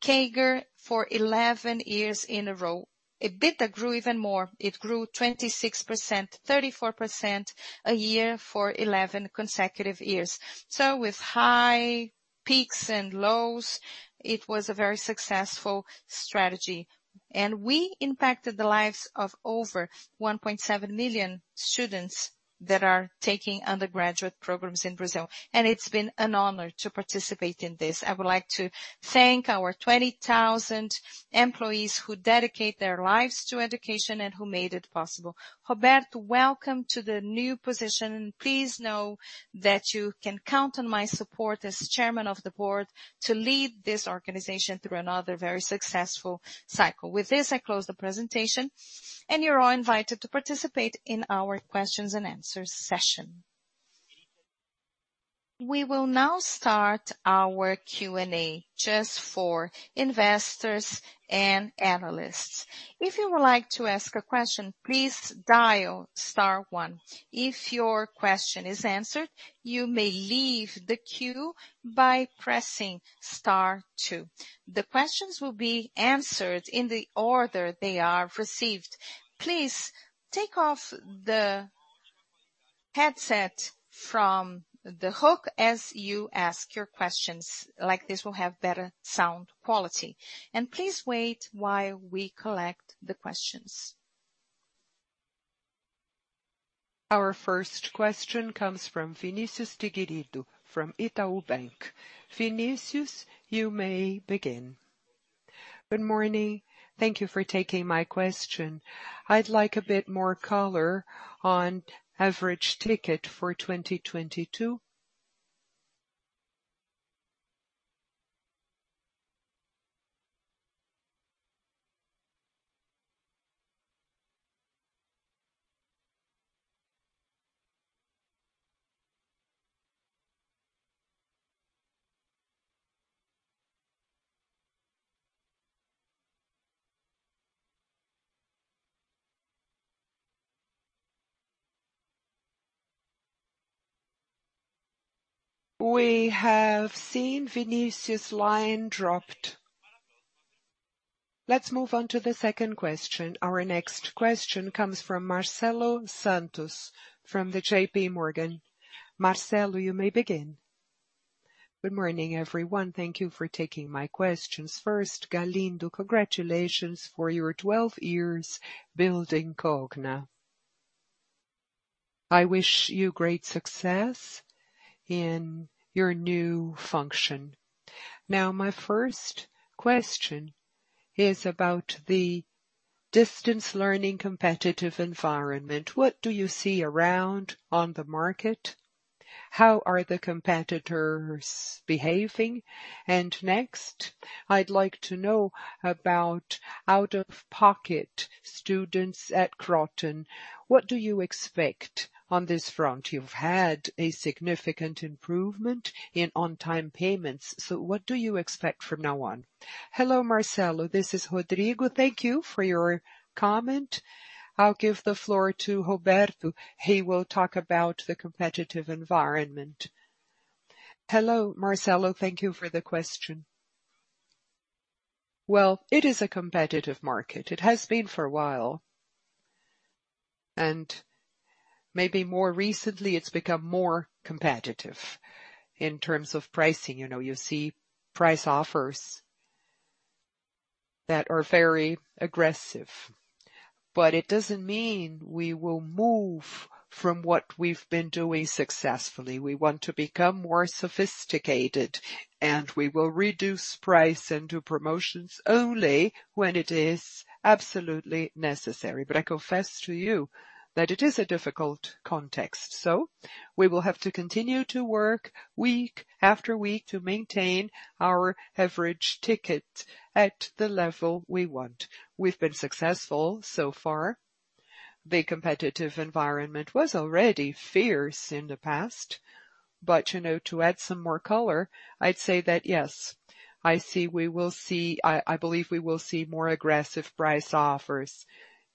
CAGR for 11 years in a row. EBITDA grew even more. It grew 26%, 34% a year for 11 consecutive years. With high peaks and lows, it was a very successful strategy. We impacted the lives of over 1.7 million students that are taking undergraduate programs in Brazil. It's been an honor to participate in this. I would like to thank our 20,000 employees who dedicate their lives to education and who made it possible. Roberto, welcome to the new position, and please know that you can count on my support as Chairman of the Board to lead this organization through another very successful cycle. With this, I close the presentation, and you're all invited to participate in our questions-and answers-session. We will now start our Q&A just for investors and analysts. If you would like to ask a question, please dial star one. If your question is answered, you may leave the queue by pressing star two. The questions will be answered in the order they are received. Please take off the headset from the hook as you ask your questions. Like this, we'll have better sound quality. Please wait while we collect the questions. Our first question comes from Vinicius Figueiredo from Itaú Bank. Vinicius, you may begin. Good morning. Thank you for taking my question. I'd like a bit more color on average ticket for 2022. We have seen Vinicius' line dropped. Let's move on to the second question. Our next question comes from Marcelo Santos from JPMorgan. Marcelo, you may begin. Good morning, everyone. Thank you for taking my questions. First, Galindo, congratulations for your 12 years building Cogna. I wish you great success in your new function. Now, my first question is about the distance learning competitive environment. What do you see around in the market? How are the competitors behaving? Next, I'd like to know about out-of-pocket students at Kroton. What do you expect on this front? You've had a significant improvement in on-time payments, so what do you expect from now on? Hello, Marcelo. This is Rodrigo. Thank you for your comment. I'll give the floor to Roberto Valério. He will talk about the competitive environment. Hello, Marcelo. Thank you for the question. Well, it is a competitive market. It has been for a while. Maybe more recently, it's become more competitive in terms of pricing. You know, you see price offers that are very aggressive. It doesn't mean we will move from what we've been doing successfully. We want to become more sophisticated, and we will reduce price and do promotions only when it is absolutely necessary. I confess to you that it is a difficult context. We will have to continue to work week after week to maintain our average ticket at the level we want. We've been successful so far. The competitive environment was already fierce in the past. You know, to add some more color, I'd say that, yes, I see we will see. I believe we will see more aggressive price offers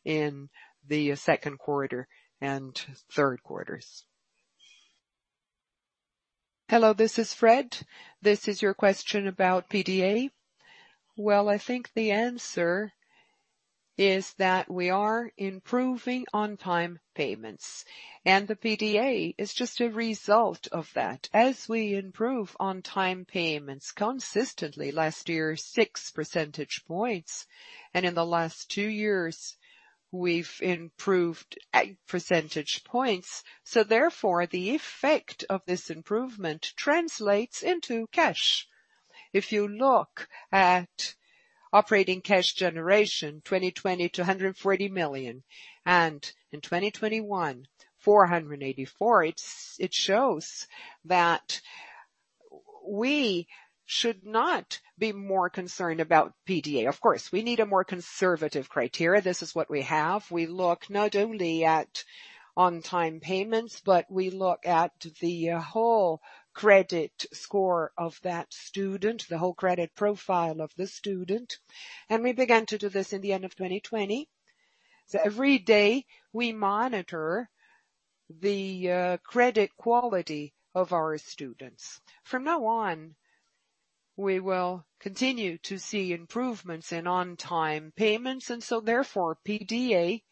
in the second quarter and third quarters. Hello, this is Fred. This is your question about PDA. Well, I think the answer is that we are improving on-time payments, and the PDA is just a result of that. As we improve on-time payments consistently, last year, 6 percentage points, and in the last two years we've improved 8 percentage points. Therefore, the effect of this improvement translates into cash. If you look at operating cash generation, 2020, 240 million, and in 2021, 484 million, it shows that we should not be more concerned about PDA. Of course, we need a more conservative criteria. This is what we have. We look not only at on-time payments, but we look at the whole credit score of that student, the whole credit profile of the student. We began to do this in the end of 2020. Every day, we monitor the credit quality of our students. From now on, we will continue to see improvements in on-time payments, and so therefore PDA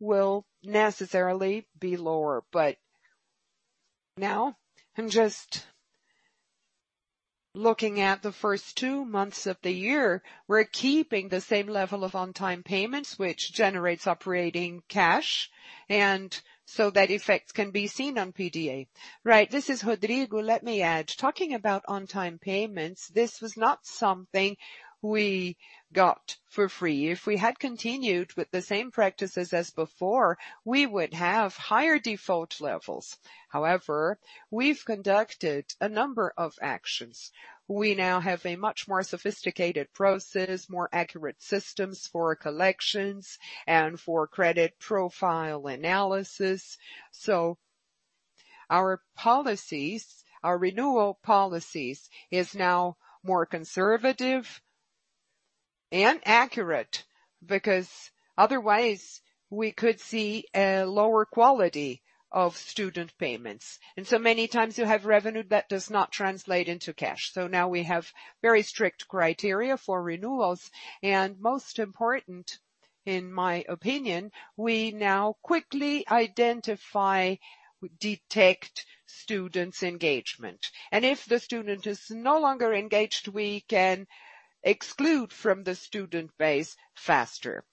will necessarily be lower. Now I'm just looking at the first two months of the year. We're keeping the same level of on-time payments, which generates operating cash, and so that effects can be seen on PDA. Right. This is Rodrigo. Let me add. Talking about on-time payments, this was not something we got for free. If we had continued with the same practices as before, we would have higher default levels. However, we've conducted a number of actions. We now have a much more sophisticated process, more accurate systems for collections and for credit profile analysis. Our policies, our renewal policies is now more conservative and accurate, because otherwise we could see a lower quality of student payments. Many times you have revenue that does not translate into cash. Now we have very strict criteria for renewals. Most important, in my opinion, we now quickly identify, detect students' engagement. If the student is no longer engaged, we can exclude from the student base faster.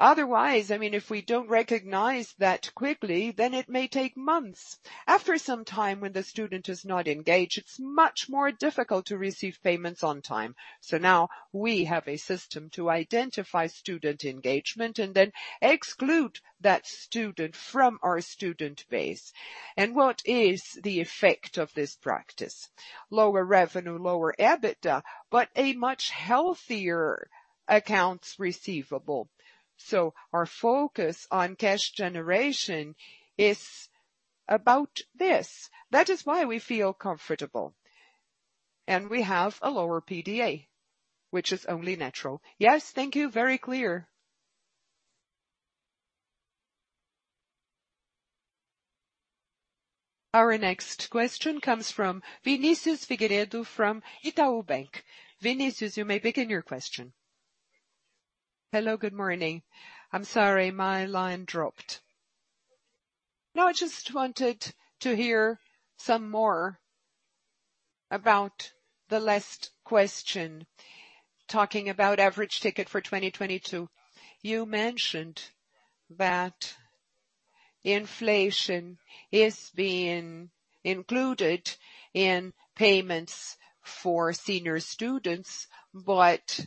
Otherwise, I mean, if we don't recognize that quickly, then it may take months. After some time, when the student is not engaged, it's much more difficult to receive payments on time. Now we have a system to identify student engagement and then exclude that student from our student base. What is the effect of this practice? Lower revenue, lower EBITDA, but a much healthier accounts receivable. Our focus on cash generation is about this. That is why we feel comfortable, and we have a lower PDA, which is only natural. Yes, thank you. Very clear. Our next question comes from Vinicius Figueiredo from Itaú Bank. Vinicius, you may begin your question. Hello, good morning. I'm sorry, my line dropped. Now I just wanted to hear some more about the last question, talking about average ticket for 2022. You mentioned that inflation is being included in payments for senior students, but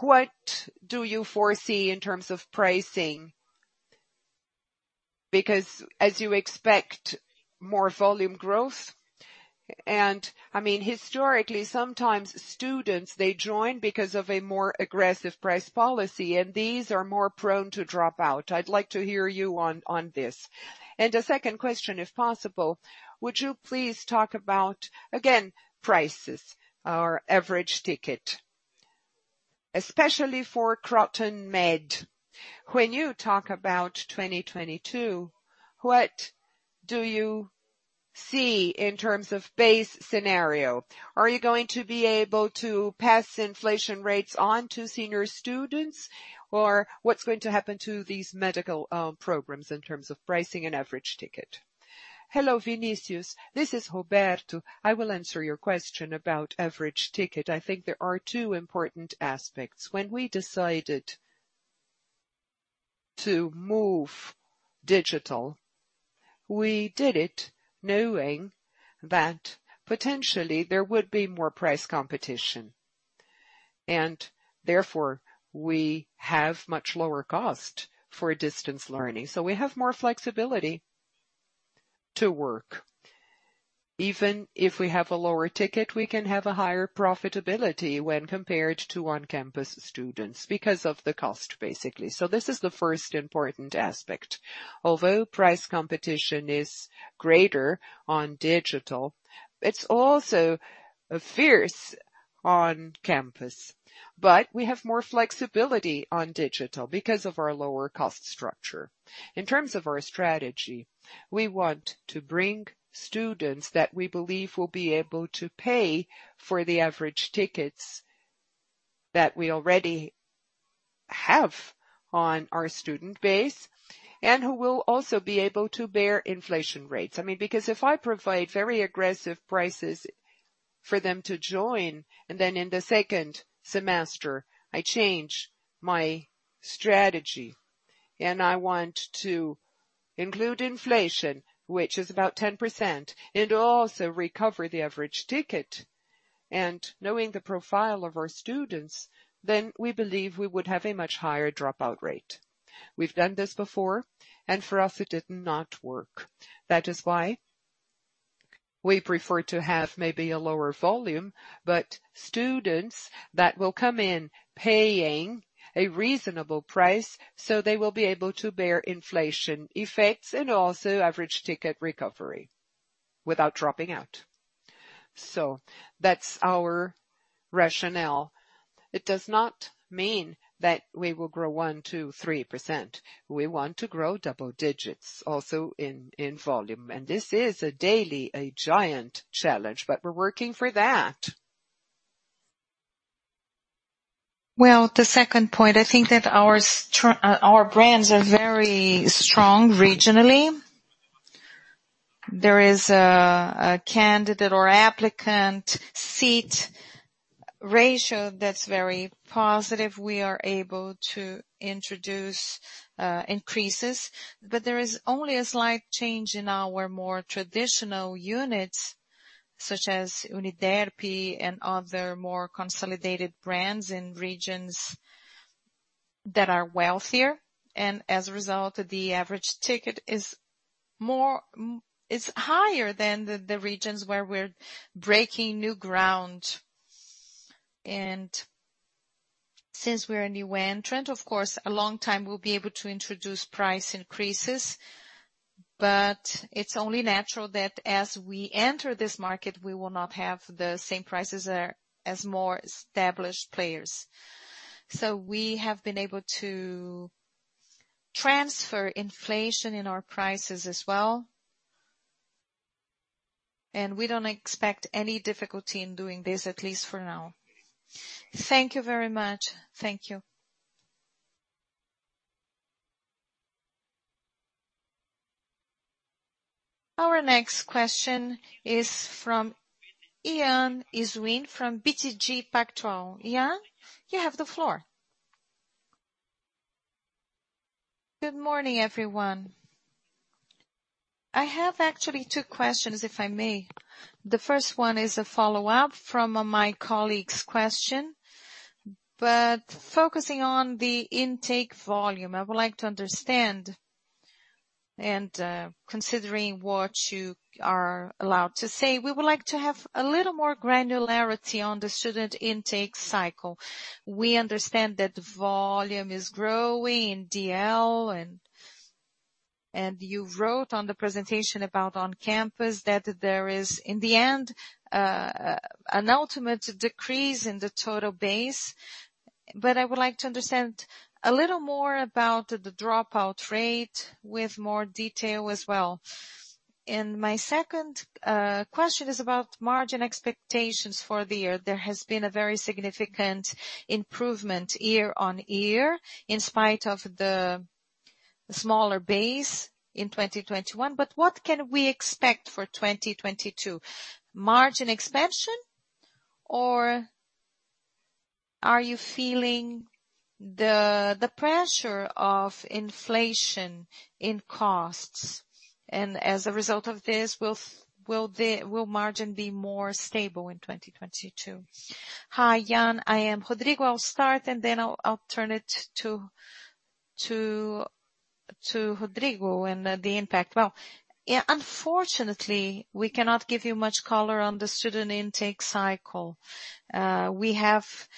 what do you foresee in terms of pricing? Because as you expect more volume growth, and I mean, historically, sometimes students, they join because of a more aggressive price policy, and these are more prone to drop out. I'd like to hear you on this. A second question, if possible. Would you please talk about, again, prices or average ticket, especially for KrotonMed. When you talk about 2022, what do you see in terms of base scenario? Are you going to be able to pass inflation rates on to senior students, or what's going to happen to these medical programs in terms of pricing and average ticket? Hello, Vinicius. This is Roberto. I will answer your question about average ticket. I think there are two important aspects. When we decided to move digital, we did it knowing that potentially there would be more price competition, and therefore we have much lower cost for distance learning, so we have more flexibility to work. Even if we have a lower ticket, we can have a higher profitability when compared to on-campus students because of the cost, basically. This is the first important aspect. Although price competition is greater on digital, it's also fierce on campus. We have more flexibility on digital because of our lower cost structure. In terms of our strategy, we want to bring students that we believe will be able to pay for the average tickets that we already have on our student base, and who will also be able to bear inflation rates. I mean, because if I provide very aggressive prices for them to join, and then in the second semester, I change my strategy, and I want to include inflation, which is about 10%, and also recover the average ticket. Knowing the profile of our students, then we believe we would have a much higher dropout rate. We've done this before, and for us, it did not work. That is why we prefer to have maybe a lower volume, but students that will come in paying a reasonable price, so they will be able to bear inflation effects and also average ticket recovery without dropping out. That's our rationale. It does not mean that we will grow 1%, 2%, 3%. We want to grow double digits also in volume. This is a daily giant challenge, but we're working for that. Well, the second point, I think that our brands are very strong regionally. There is a candidate or applicant-seat ratio that's very positive. We are able to introduce increases. There is only a slight change in our more traditional units, such as Uniderp and other more consolidated brands in regions that are wealthier. As a result, the average ticket is higher than the regions where we're breaking new ground. Since we're a new entrant, of course, a long time we'll be able to introduce price increases, but it's only natural that as we enter this market, we will not have the same prices as more established players. We have been able to transfer inflation in our prices as well, and we don't expect any difficulty in doing this, at least for now. Thank you very much. Thank you. Our next question is from Yan Cesquim from BTG Pactual. Yan, you have the floor. Good morning, everyone. I have actually two questions, if I may. The first one is a follow-up from my colleague's question. Focusing on the intake volume, I would like to understand and considering what you are allowed to say, we would like to have a little more granularity on the student intake cycle. We understand that the volume is growing in DL, and you wrote on the presentation about on campus that there is, in the end, an ultimate decrease in the total base. I would like to understand a little more about the dropout rate with more detail as well. My second question is about margin expectations for the year. There has been a very significant improvement year on year in spite of the smaller base in 2021. What can we expect for 2022? Margin expansion, or are you feeling the pressure of inflation in costs? And as a result of this, will margin be more stable in 2022? Hi, Yan. I am Rodrigo. I'll start, and then I'll turn it to Rodrigo and the impact. Well, yeah, unfortunately, we cannot give you much color on the student intake cycle. We have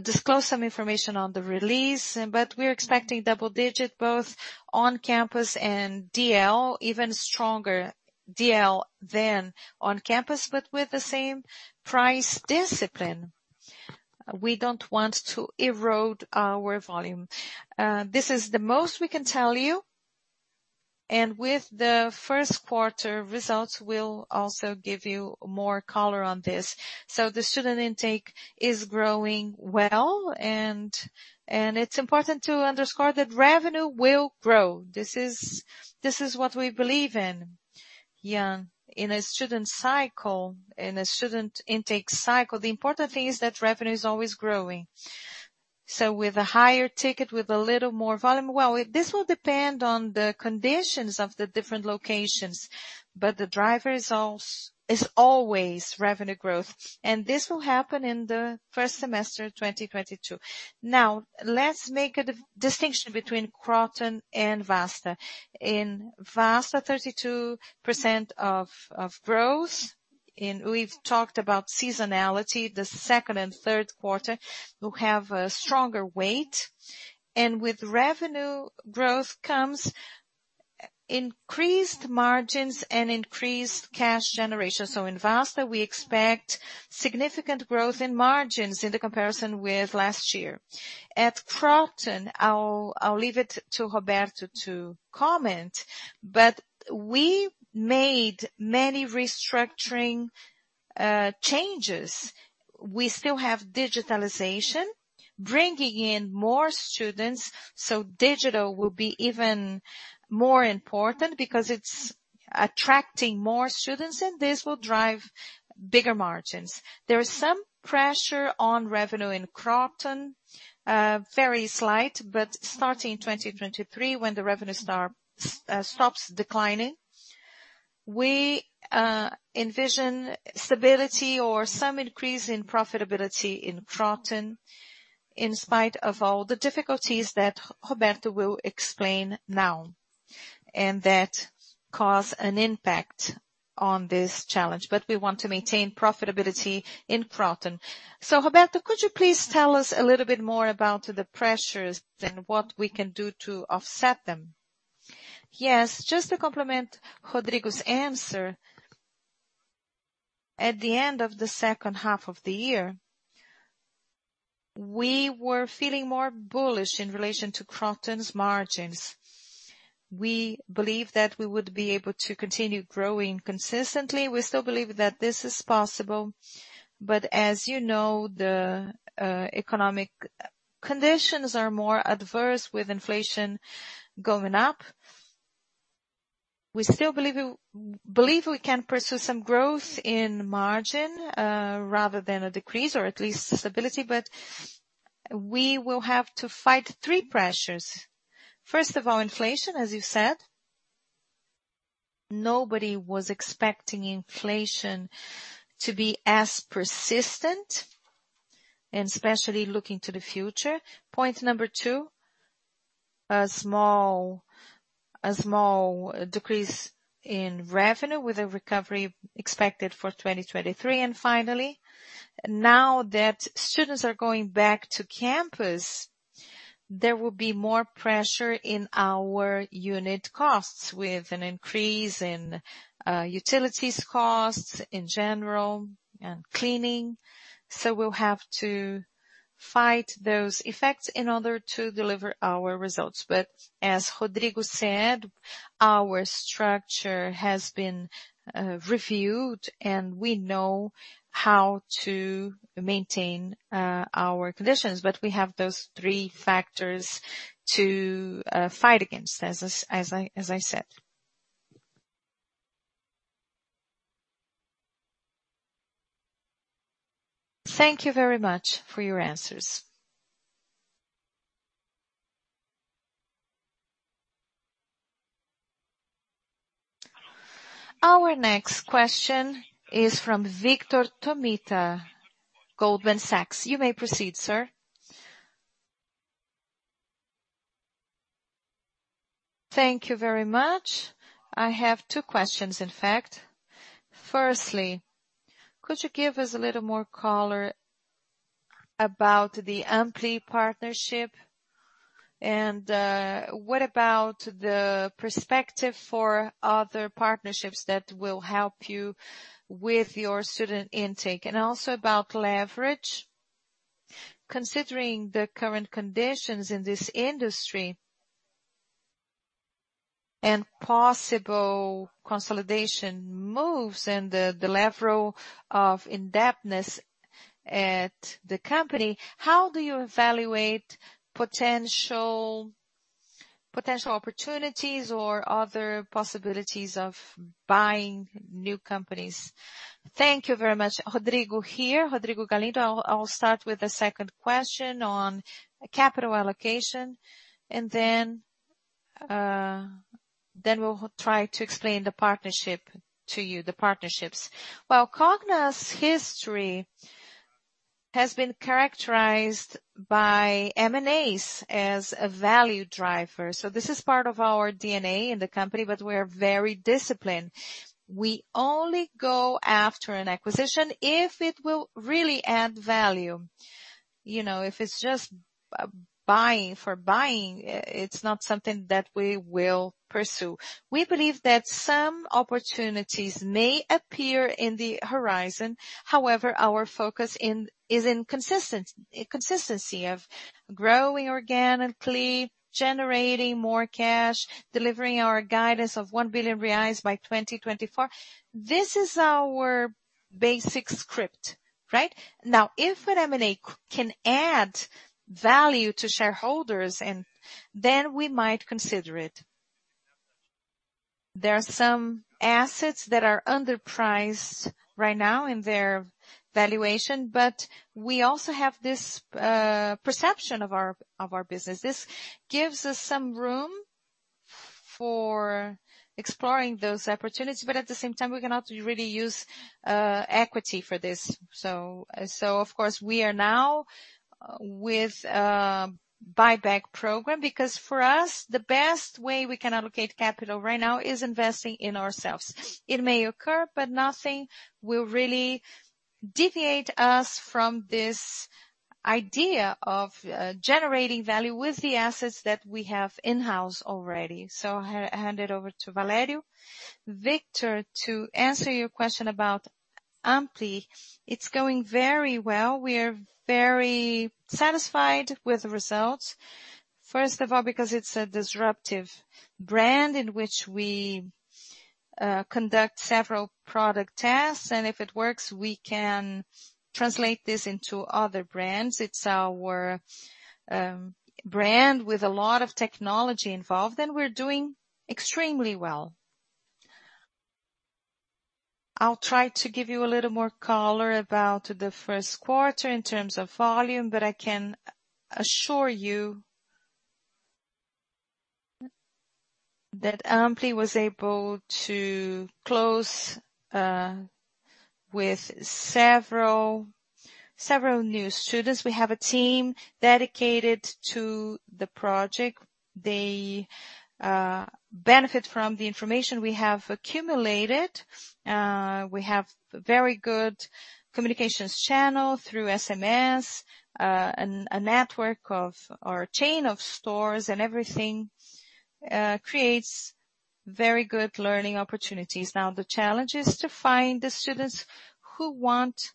disclosed some information on the release, but we're expecting double-digit, both on campus and DL. Even stronger DL than on campus, but with the same price discipline. We don't want to erode our volume. This is the most we can tell you. With the first quarter results, we'll also give you more color on this. The student intake is growing well, and it's important to underscore that revenue will grow. This is what we believe in. Yeah. In a student intake cycle, the important thing is that revenue is always growing. With a higher ticket, with a little more volume, well, this will depend on the conditions of the different locations. The driver is always revenue growth. This will happen in the first semester of 2022. Now, let's make a distinction between Kroton and Vasta. In Vasta, 32% growth. We've talked about seasonality. The second and third quarter will have a stronger weight. With revenue growth comes increased margins and increased cash generation. In Vasta, we expect significant growth in margins in the comparison with last year. At Kroton, I'll leave it to Roberto to comment. We made many restructuring changes. We still have digitalization bringing in more students, so digital will be even more important because it's attracting more students, and this will drive bigger margins. There is some pressure on revenue in Kroton, very slight, but starting in 2023, when the revenue starts stops declining, we envision stability or some increase in profitability in Kroton, in spite of all the difficulties that Roberto will explain now and that cause an impact on this challenge. We want to maintain profitability in Kroton. Roberto, could you please tell us a little bit more about the pressures and what we can do to offset them? Yes. Just to complement Rodrigo's answer, at the end of the second half of the year, we were feeling more bullish in relation to Kroton's margins. We believe that we would be able to continue growing consistently. We still believe that this is possible. As you know, the economic conditions are more adverse, with inflation going up. We still believe we can pursue some growth in margin, rather than a decrease or at least stability, but we will have to fight three pressures. First of all, inflation, as you said. Nobody was expecting inflation to be as persistent, and especially looking to the future. Point number two, a small decrease in revenue with a recovery expected for 2023. Finally, now that students are going back to campus, there will be more pressure in our unit costs, with an increase in utilities costs in general and cleaning. We'll have to fight those effects in order to deliver our results. But as Rodrigo said, our structure has been reviewed, and we know how to maintain our conditions, but we have those three factors to fight against, as I said. Thank you very much for your answers. Our next question is from Vitor Tomita, Goldman Sachs. You may proceed, sir. Thank you very much. I have two questions, in fact. Firstly, could you give us a little more color about the Ampli partnership? And what about the perspective for other partnerships that will help you with your student intake? Also about leverage, considering the current conditions in this industry and possible consolidation moves and the level of indebtedness at the company, how do you evaluate potential opportunities or other possibilities of buying new companies? Thank you very much. Rodrigo here, Rodrigo Galindo. I'll start with the second question on capital allocation. Then we'll try to explain the partnership to you, the partnerships. Well, Cogna's history has been characterized by M&As as a value driver, so this is part of our DNA in the company, but we're very disciplined. We only go after an acquisition if it will really add value. You know, if it's just buying for buying, it's not something that we will pursue. We believe that some opportunities may appear in the horizon. However, our focus is in consistency of growing organically, generating more cash, delivering our guidance of 1 billion reais by 2024. This is our basic script, right? Now, if an M&A can add value to shareholders and then we might consider it. There are some assets that are underpriced right now in their valuation, but we also have this perception of our business. This gives us some room for exploring those opportunities, but at the same time, we cannot really use equity for this. So of course, we are now with a buyback program because for us, the best way we can allocate capital right now is investing in ourselves. It may occur, but nothing will really deviate us from this idea of generating value with the assets that we have in-house already. I'll hand it over to Valério. Vitor, to answer your question about Ampli, it's going very well. We are very satisfied with the results. First of all, because it's a disruptive brand in which we conduct several product tests, and if it works, we can translate this into other brands. It's our brand with a lot of technology involved, and we're doing extremely well. I'll try to give you a little more color about the first quarter in terms of volume, but I can assure you that Ampli was able to close with several new students. We have a team dedicated to the project. They benefit from the information we have accumulated. We have very good communications channel through SMS, and a network or chain of stores and everything creates very good learning opportunities. Now, the challenge is to find the students who want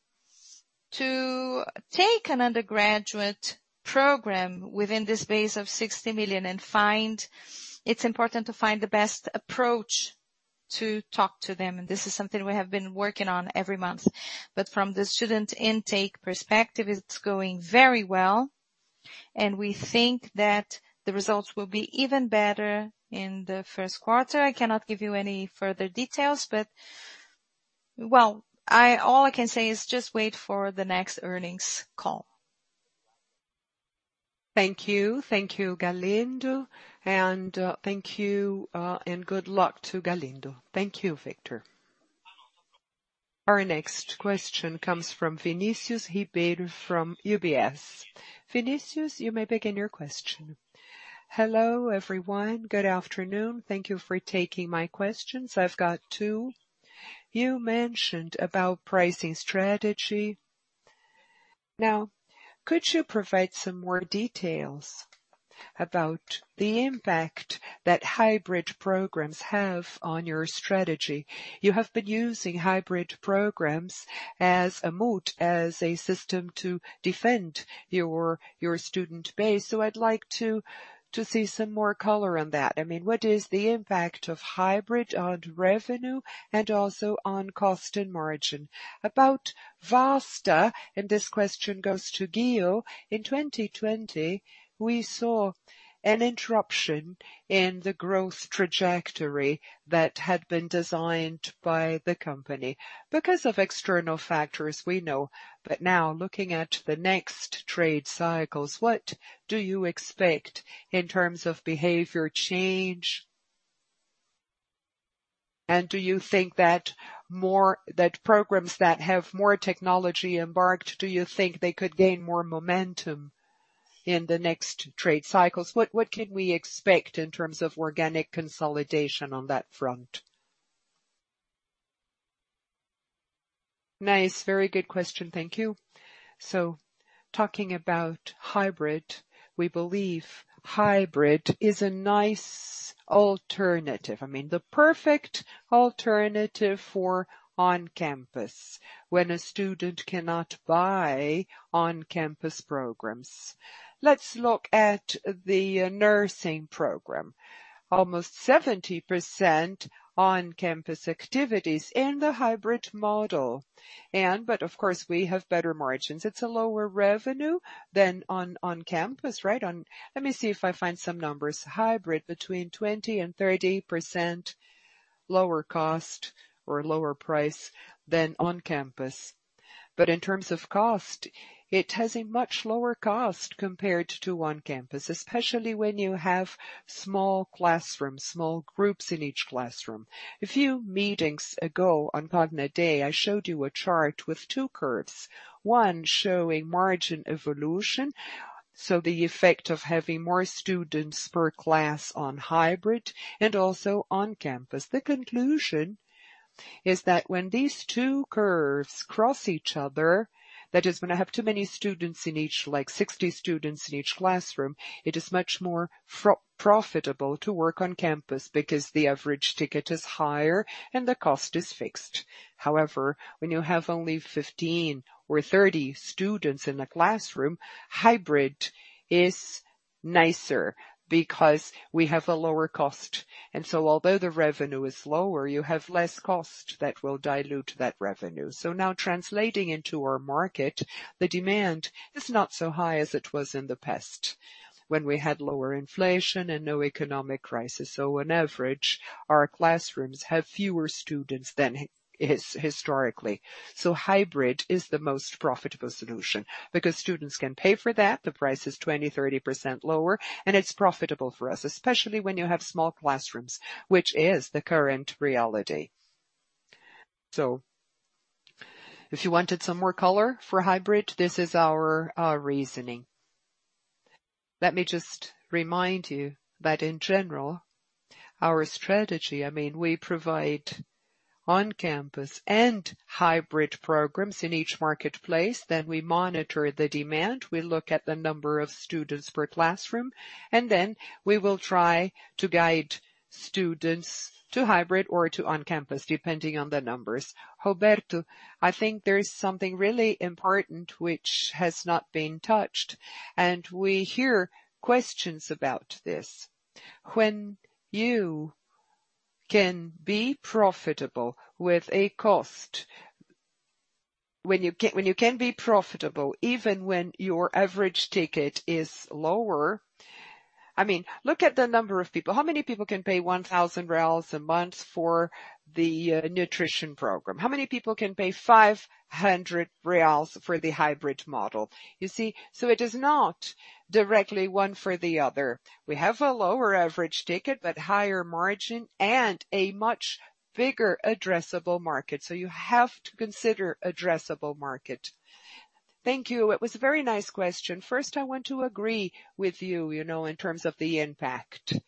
to take an undergraduate program within this base of 60 million. It's important to find the best approach to talk to them, and this is something we have been working on every month. But from the student intake perspective, it's going very well, and we think that the results will be even better in the first quarter. I cannot give you any further details, but. Well, all I can say is just wait for the next earnings call. Thank you. Thank you, Galindo. Thank you, and good luck to Galindo. Thank you, Vitor. Our next question comes from Vinicius Ribeiro from UBS. Vinicius, you may begin your question. Hello, everyone. Good afternoon. Thank you for taking my questions. I've got two. You mentioned about pricing strategy. Now, could you provide some more details about the impact that hybrid programs have on your strategy? You have been using hybrid programs as a moat, as a system to defend your student base. I'd like to see some more color on that. I mean, what is the impact of hybrid on revenue and also on cost and margin? About Vasta, this question goes to Ghio. In 2020, we saw an interruption in the growth trajectory that had been designed by the company. Because of external factors, we know. Now, looking at the next trade cycles, what do you expect in terms of behavior change? Do you think that programs that have more technology embarked, do you think they could gain more momentum in the next trade cycles? What can we expect in terms of organic consolidation on that front? Nice. Very good question. Thank you. Talking about hybrid, we believe hybrid is a nice alternative. I mean, the perfect alternative for on-campus when a student cannot buy on-campus programs. Let's look at the nursing program. Almost 70% on-campus activities in the hybrid model. But of course, we have better margins. It's a lower revenue than on-campus, right? Let me see if I find some numbers. Hybrid between 20%-30% lower cost or lower price than on-campus. In terms of cost, it has a much lower cost compared to on-campus, especially when you have small classrooms, small groups in each classroom. A few meetings ago on Cogna Day, I showed you a chart with two curves, one showing margin evolution, so the effect of having more students per class on hybrid and also on-campus. The conclusion is that when these two curves cross each other, that is when I have too many students in each, like 60 students in each classroom, it is much more profitable to work on-campus because the average ticket is higher and the cost is fixed. However, when you have only 15 or 30 students in a classroom, hybrid is nicer because we have a lower cost. Although the revenue is lower, you have less cost that will dilute that revenue. Now translating into our market, the demand is not so high as it was in the past when we had lower inflation and no economic crisis. On average, our classrooms have fewer students than historically. Hybrid is the most profitable solution because students can pay for that. The price is 20%-30% lower, and it's profitable for us, especially when you have small classrooms, which is the current reality. If you wanted some more color for hybrid, this is our reasoning. Let me just remind you that in general, our strategy, I mean, we provide on-campus and hybrid programs in each marketplace. We monitor the demand, we look at the number of students per classroom, and then we will try to guide students to hybrid or to on-campus, depending on the numbers. Roberto Valério, I think there is something really important which has not been touched, and we hear questions about this. When you can be profitable with a cost, even when your average ticket is lower. I mean, look at the number of people. How many people can pay 1,000 reais a month for the nutrition program? How many people can pay 500 reais for the hybrid model? You see? It is not directly one for the other. We have a lower average ticket, but higher margin and a much bigger addressable market. You have to consider addressable market. Thank you. It was a very nice question. First, I want to agree with you know, in terms of the impact.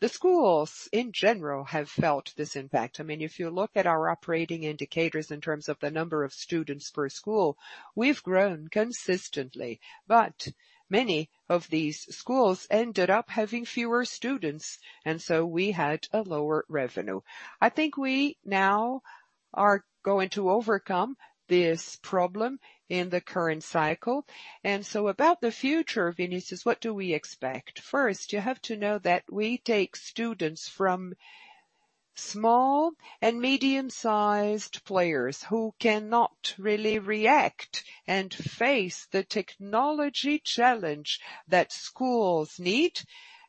The schools in general have felt this impact. I mean, if you look at our operating indicators in terms of the number of students per school, we've grown consistently, but many of these schools ended up having fewer students, and so we had a lower revenue. I think we now are going to overcome this problem in the current cycle. About the future, Vinicius, what do we expect? First, you have to know that we take students from small and medium-sized players who cannot really react and face the technology challenge that schools need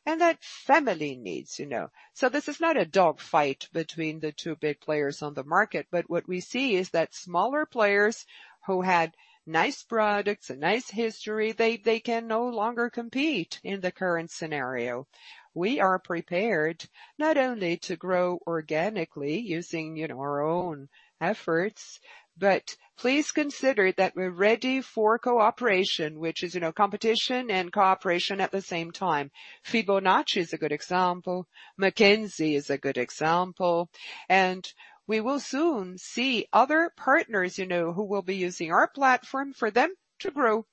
and that family needs, you know. This is not a dogfight between the two big players on the market. What we see is that smaller players who had nice products and nice history, they can no longer compete in the current scenario. We are prepared not only to grow organically using, you know, our own efforts, but please consider that we're ready for cooperation, which is, you know, competition and cooperation at the same time. Fibonacci is a good example. Mackenzie is a good example. We will soon see other partners, you know, who will be using our platform for them to grow.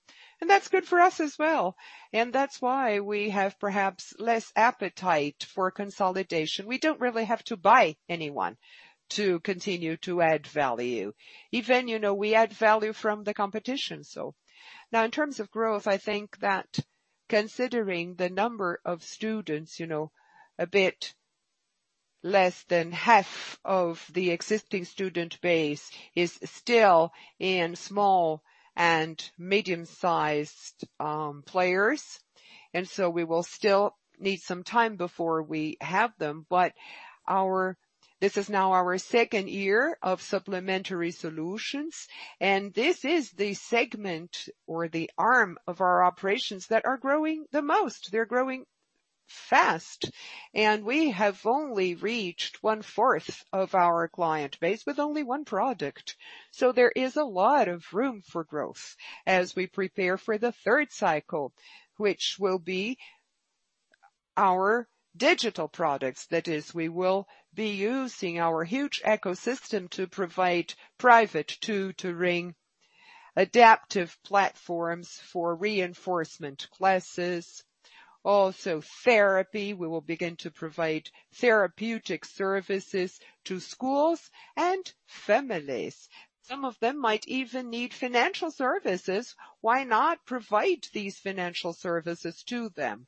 That's good for us as well. That's why we have perhaps less appetite for consolidation. We don't really have to buy anyone to continue to add value. Even, you know, we add value from the competition. Now in terms of growth, I think that considering the number of students, you know, a bit less than half of the existing student base is still in small and medium-sized players. We will still need some time before we have them. This is now our second year of supplementary solutions, and this is the segment or the arm of our operations that are growing the most. They're growing fast. We have only reached 1/4 of our client base with only one product. There is a lot of room for growth as we prepare for the third cycle, which will be our digital products. That is, we will be using our huge ecosystem to provide private tutoring, adaptive platforms for reinforcement classes, also therapy. We will begin to provide therapeutic services to schools and families. Some of them might even need financial services. Why not provide these financial services to them?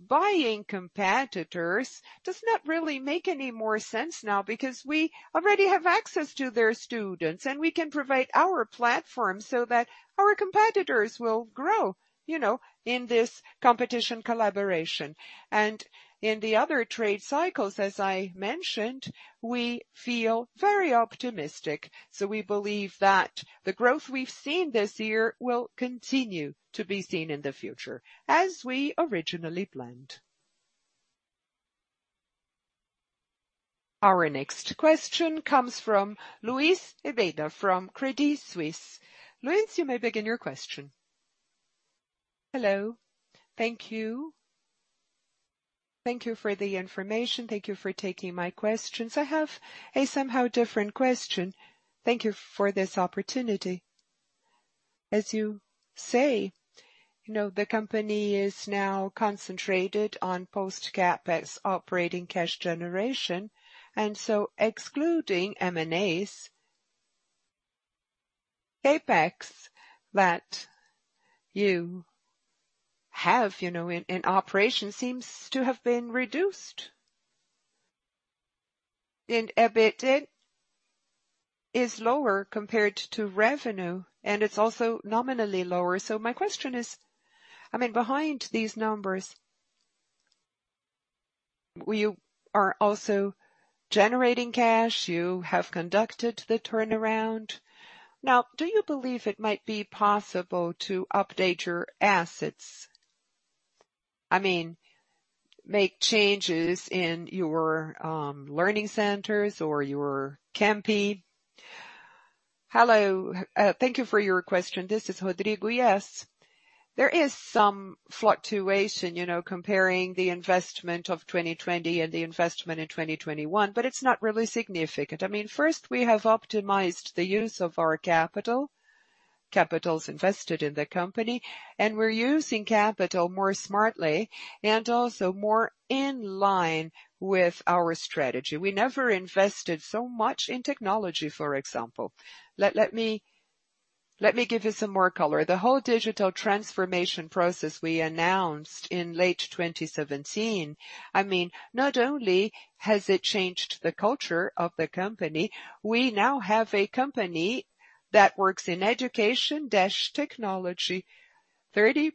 Buying competitors does not really make any more sense now because we already have access to their students and we can provide our platform so that our competitors will grow, you know, in this competition collaboration. In the other trade cycles, as I mentioned, we feel very optimistic. We believe that the growth we've seen this year will continue to be seen in the future as we originally planned. Our next question comes from Luiz Ubeda from Credit Suisse. Luis, you may begin your question. Hello. Thank you. Thank you for the information. Thank you for taking my questions. I have a somewhat different question. Thank you for this opportunity. As you say, you know, the company is now concentrated on post CapEx operating cash generation, excluding M&As, CapEx that you have, you know, in operation seems to have been reduced. EBITDA is lower compared to revenue, and it's also nominally lower. My question is, I mean, behind these numbers, you are also generating cash. You have conducted the turnaround. Now, do you believe it might be possible to update your assets? I mean, make changes in your learning centers or your campuses? Hello. Thank you for your question. This is Rodrigo. Yes. There is some fluctuation, you know, comparing the investment of 2020 and the investment in 2021, but it's not really significant. I mean, first we have optimized the use of our capital, capitals invested in the company, and we're using capital more smartly and also more in line with our strategy. We never invested so much in technology, for example. Let me give you some more color. The whole digital transformation process we announced in late 2017, I mean, not only has it changed the culture of the company, we now have a company that works in education technology. 30%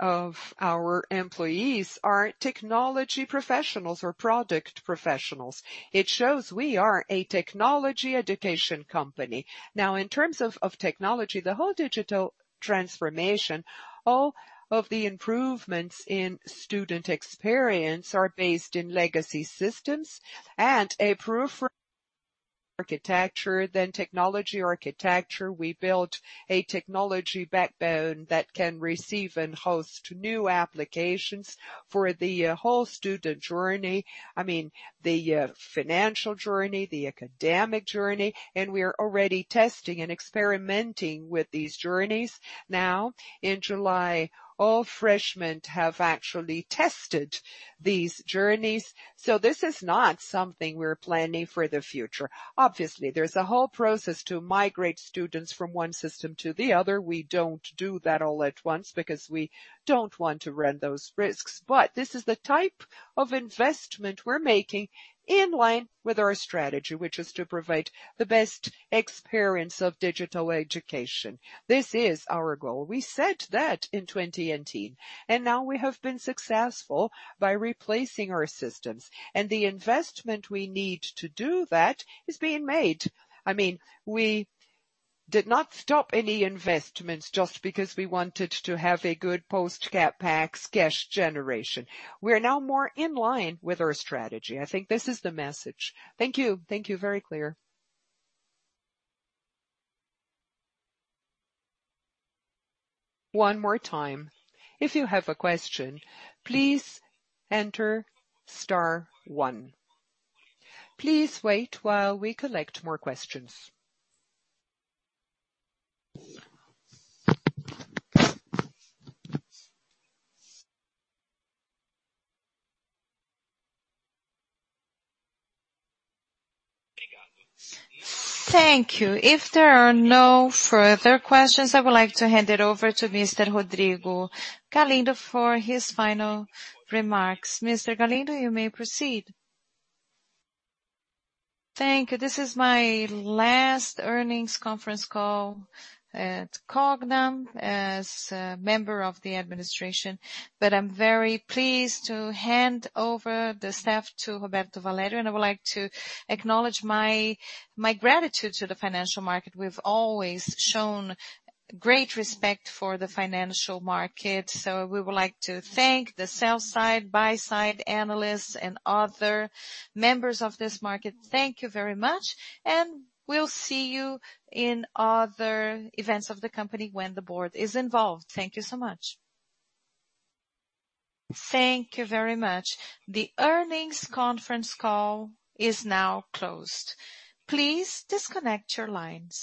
of our employees are technology professionals or product professionals. It shows we are a technology education company. Now, in terms of technology, the whole digital transformation, all of the improvements in student experience are based in legacy systems and a poor architecture. Technology architecture, we built a technology backbone that can receive and host new applications for the whole student journey. I mean the financial journey, the academic journey, and we are already testing and experimenting with these journeys now. In July, all freshmen have actually tested these journeys. This is not something we're planning for the future. Obviously, there's a whole process to migrate students from one system to the other. We don't do that all at once because we don't want to run those risks. This is the type of investment we're making in line with our strategy, which is to provide the best experience of digital education. This is our goal. We set that in 2019, and now we have been successful by replacing our systems and the investment we need to do that is being made. I mean, we did not stop any investments just because we wanted to have a good post CapEx cash generation. We are now more in line with our strategy. I think this is the message. Thank you. Thank you. Very clear. One more time. If you have a question, please enter star one. Please wait while we collect more questions. Thank you. If there are no further questions, I would like to hand it over to Mr. Rodrigo Galindo for his final remarks. Mr. Galindo, you may proceed. Thank you. This is my last earnings conference call at Cogna as a member of the administration, but I'm very pleased to hand over the staff to Roberto Valério, and I would like to acknowledge my gratitude to the financial market. We've always shown great respect for the financial market, so we would like to thank the sell-side, buy-side analysts and other members of this market. Thank you very much, and we'll see you in other events of the company when the board is involved. Thank you so much. Thank you very much. The earnings conference call is now closed. Please disconnect your line.